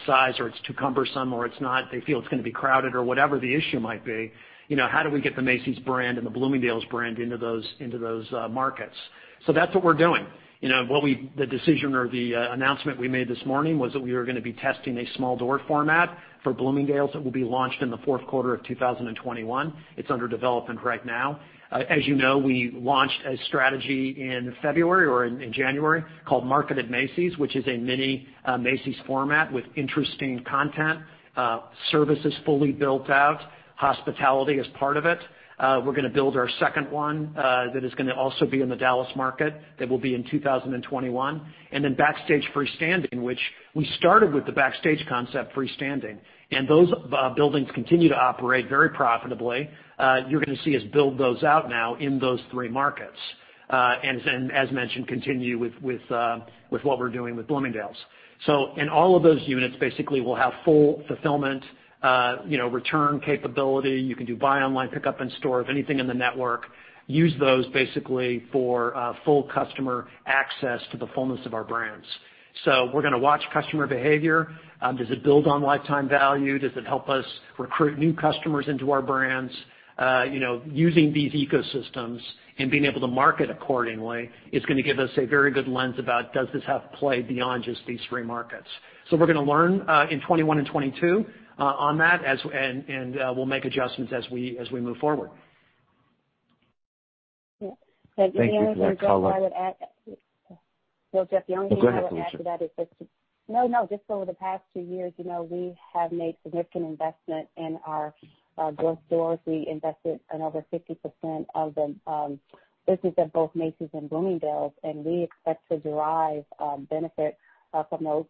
size or it's too cumbersome, or they feel it's going to be crowded or whatever the issue might be. How do we get the Macy's brand and the Bloomingdale's brand into those markets? That's what we're doing. The decision or the announcement we made this morning was that we were going to be testing a small door format for Bloomingdale's that will be launched in the fourth quarter of 2021. It's under development right now. As you know, we launched a strategy in February or in January called Market by Macy's, which is a mini Macy's format with interesting content. Service is fully built out. Hospitality is part of it. We're going to build our second one that is going to also be in the Dallas market. That will be in 2021. Backstage freestanding, which we started with the Backstage concept freestanding. Those buildings continue to operate very profitably. You're going to see us build those out now in those three markets. As mentioned, continue with what we're doing with Bloomingdale's. In all of those units, basically, we'll have full fulfillment, return capability. You can do buy online, pickup in store of anything in the network. Use those basically for full customer access to the fullness of our brands. We're going to watch customer behavior. Does it build on lifetime value? Does it help us recruit new customers into our brands? Using these ecosystems and being able to market accordingly is going to give us a very good lens about does this have play beyond just these three markets. We're going to learn in 2021 and 2022 on that, and we'll make adjustments as we move forward. Thank you for that color. The only thing I would add. Go ahead, Felicia. Just over the past two years, we have made significant investment in our growth stores. We invested in over 50% of the business at both Macy's and Bloomingdale's, and we expect to derive benefit from those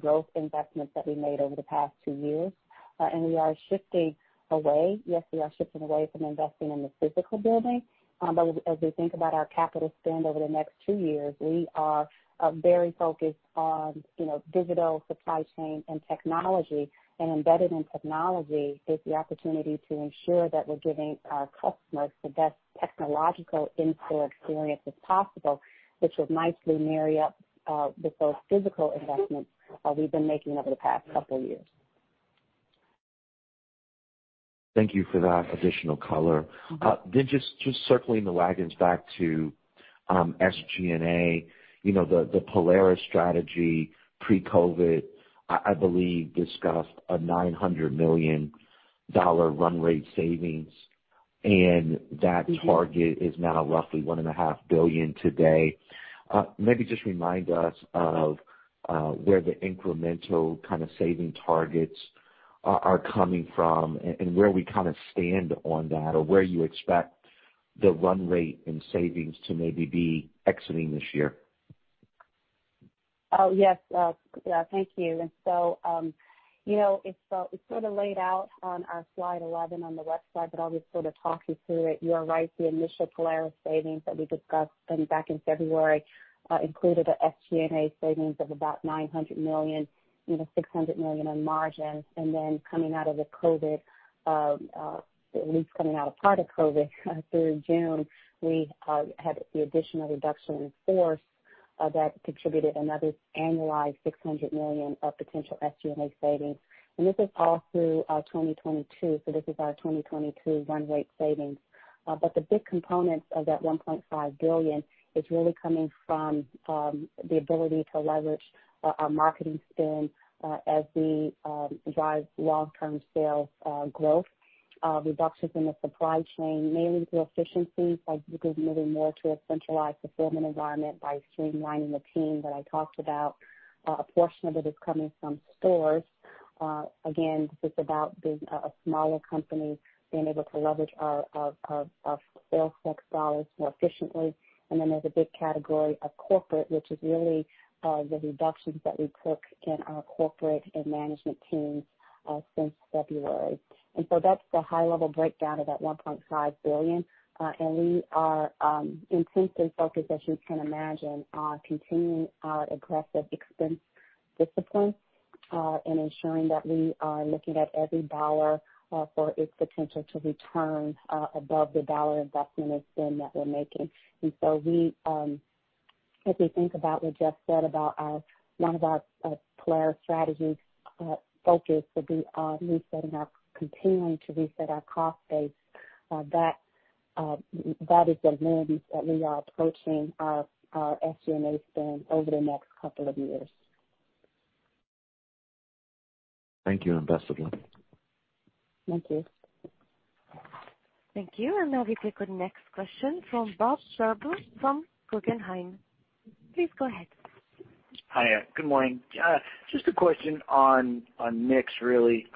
growth investments that we made over the past two years. We are shifting away. Yes, we are shifting away from investing in the physical building. As we think about our capital spend over the next two years, we are very focused on digital supply chain and technology. Embedded in technology is the opportunity to ensure that we're giving our customers the best technological in-store experience as possible, which will nicely marry up with those physical investments we've been making over the past couple of years. Thank you for that additional color. Just circling the wagons back to SG&A. The Polaris strategy pre-COVID, I believe, discussed a $900 million run rate savings, and that target is now roughly $1.5 billion today. Maybe just remind us of where the incremental saving targets are coming from and where we stand on that, or where you expect the run rate in savings to maybe be exiting this year. Oh, yes. Thank you. It's sort of laid out on our slide 11 on the left side, but I'll just sort of talk you through it. You are right, the initial Polaris savings that we discussed back in February included an SG&A savings of about $900 million, $600 million on margin, and then coming out of the COVID, at least coming out of part of COVID through June, we had the additional reduction in force that contributed another annualized $600 million of potential SG&A savings. This is all through our 2022, so this is our 2022 run rate savings. The big component of that $1.5 billion is really coming from the ability to leverage our marketing spend as we drive long-term sales growth, reductions in the supply chain, mainly through efficiencies, like we're moving more to a centralized fulfillment environment by streamlining the team that I talked about. A portion of it is coming from stores. Again, this is about being a smaller company, being able to leverage our sales task dollars more efficiently. Then there's a big category of corporate, which is really the reductions that we took in our corporate and management teams since February. So that's the high level breakdown of that $1.5 billion. We are intensely focused, as you can imagine, on continuing our aggressive expense discipline, and ensuring that we are looking at every dollar for its potential to return above the dollar investment spend that we're making. As we think about what Jeff said about one of our Polaris strategies focus will be continuing to reset our cost base. That is the lens that we are approaching our SG&A spend over the next couple of years. Thank you, and best of luck. Thank you. Thank you. Now we take our next question from Bob Drbul from Guggenheim. Please go ahead. Hi. Good morning. Just a question on mix, really.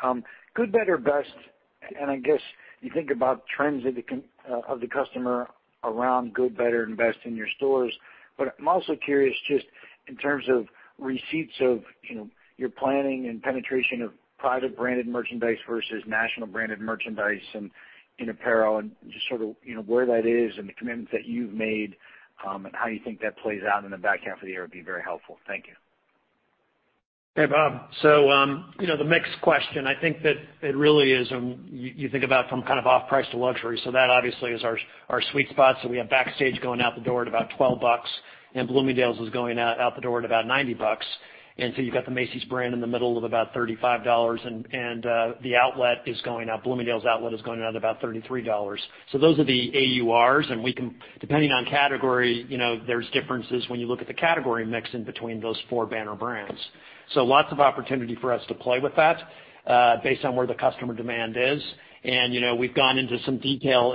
Good, better, best, and I guess you think about trends of the customer around good, better, and best in your stores. I'm also curious, just in terms of receipts of your planning and penetration of private branded merchandise versus national branded merchandise in apparel and just sort of where that is and the commitments that you've made, and how you think that plays out in the back half of the year would be very helpful. Thank you. Hey, Bob. The mix question, I think that it really is, you think about from kind of off-price to luxury. That obviously is our sweet spot. We have Backstage going out the door at about $12, and Bloomingdale's is going out the door at about $90. You've got the Macy's brand in the middle of about $35, and the outlet is going out, Bloomingdale's outlet is going out about $33. Those are the AURs, and depending on category, there's differences when you look at the category mix in between those four banner brands. Lots of opportunity for us to play with that based on where the customer demand is. We've gone into some detail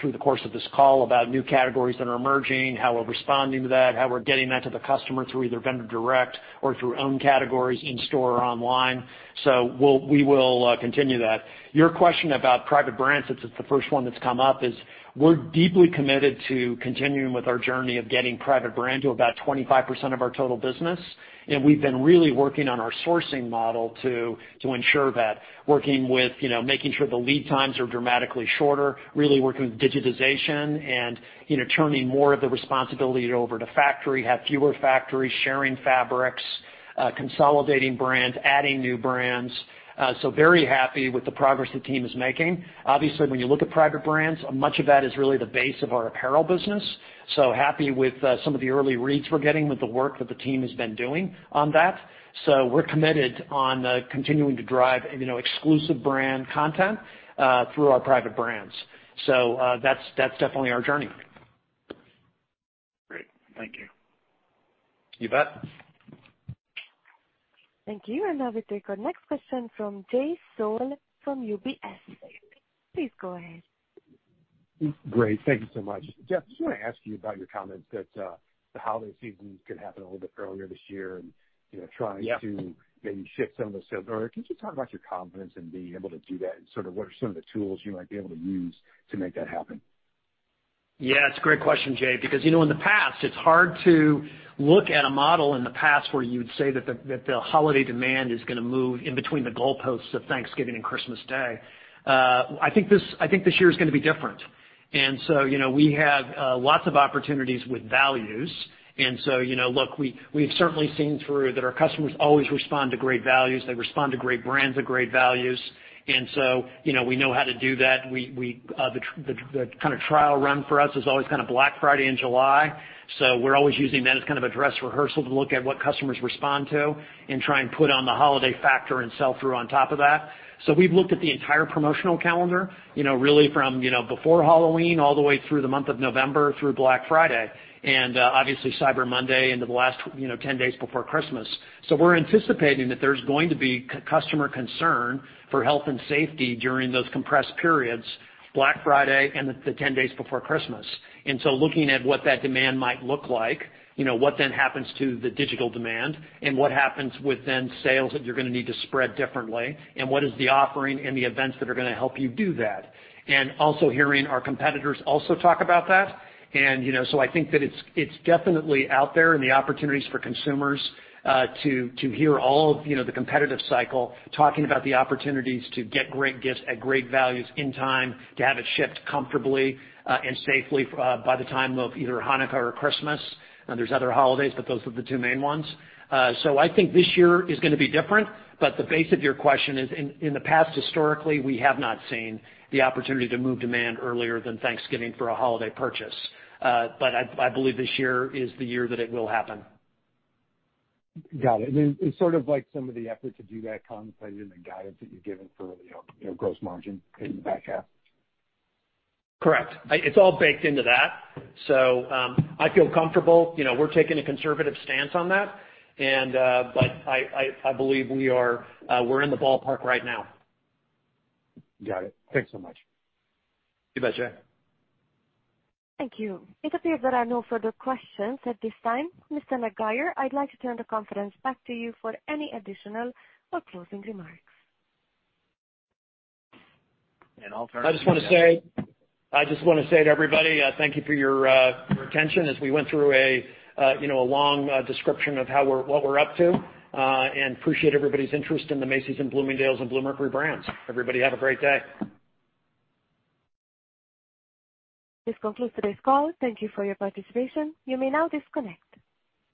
through the course of this call about new categories that are emerging, how we're responding to that, how we're getting that to the customer through either Vendor Direct or through own categories in store or online. We will continue that. Your question about private brands, since it's the first one that's come up, is we're deeply committed to continuing with our journey of getting private brand to about 25% of our total business. We've been really working on our sourcing model to ensure that. Working with making sure the lead times are dramatically shorter, really working with digitization and turning more of the responsibility over to factory, have fewer factories, sharing fabrics, consolidating brands, adding new brands. Very happy with the progress the team is making. When you look at private brands, much of that is really the base of our apparel business. Happy with some of the early reads we're getting with the work that the team has been doing on that. We're committed on continuing to drive exclusive brand content through our private brands. That's definitely our journey. Great. Thank you. You bet. Thank you. Now we take our next question from Jay Sole from UBS. Please go ahead. Great. Thank you so much. Jeff, just want to ask you about your comments that the holiday season could happen a little bit earlier this year. Yeah. Maybe shift some of the sales order. Can you talk about your confidence in being able to do that, and sort of what are some of the tools you might be able to use to make that happen? Yeah, it's a great question, Jay, because in the past, it's hard to look at a model in the past where you'd say that the holiday demand is going to move in between the goalposts of Thanksgiving and Christmas Day. I think this year is going to be different. We have lots of opportunities with values. Look, we've certainly seen through that our customers always respond to great values. They respond to great brands at great values. We know how to do that. The kind of trial run for us is always kind of Black Friday in July. We're always using that as kind of a dress rehearsal to look at what customers respond to and try and put on the holiday factor and sell through on top of that. We've looked at the entire promotional calendar, really from before Halloween all the way through the month of November through Black Friday and, obviously, Cyber Monday into the last 10 days before Christmas. We're anticipating that there's going to be customer concern for health and safety during those compressed periods, Black Friday and the 10 days before Christmas. Looking at what that demand might look like, what then happens to the digital demand, and what happens with then sales that you're going to need to spread differently, and what is the offering and the events that are going to help you do that. Also hearing our competitors also talk about that. I think that it's definitely out there and the opportunities for consumers, to hear all of the competitive cycle, talking about the opportunities to get great gifts at great values in time, to have it shipped comfortably and safely by the time of either Hanukkah or Christmas. There's other holidays, but those are the two main ones. I think this year is going to be different, but the base of your question is, in the past, historically, we have not seen the opportunity to move demand earlier than Thanksgiving for a holiday purchase. I believe this year is the year that it will happen. Is sort of like some of the effort to do that contemplated in the guidance that you've given for gross margin in the back half? Correct. It's all baked into that. I feel comfortable. We're taking a conservative stance on that. I believe we're in the ballpark right now. Got it. Thanks so much. You bet, Jay. Thank you. It appears that there are no further questions at this time. Mr. McGuire, I'd like to turn the conference back to you for any additional or closing remarks. I'll turn it to Jeff. I just want to say to everybody, thank you for your attention as we went through a long description of what we're up to. Appreciate everybody's interest in the Macy's and Bloomingdale's and Bluemercury brands. Everybody have a great day. This concludes today's call. Thank you for your participation. You may now disconnect.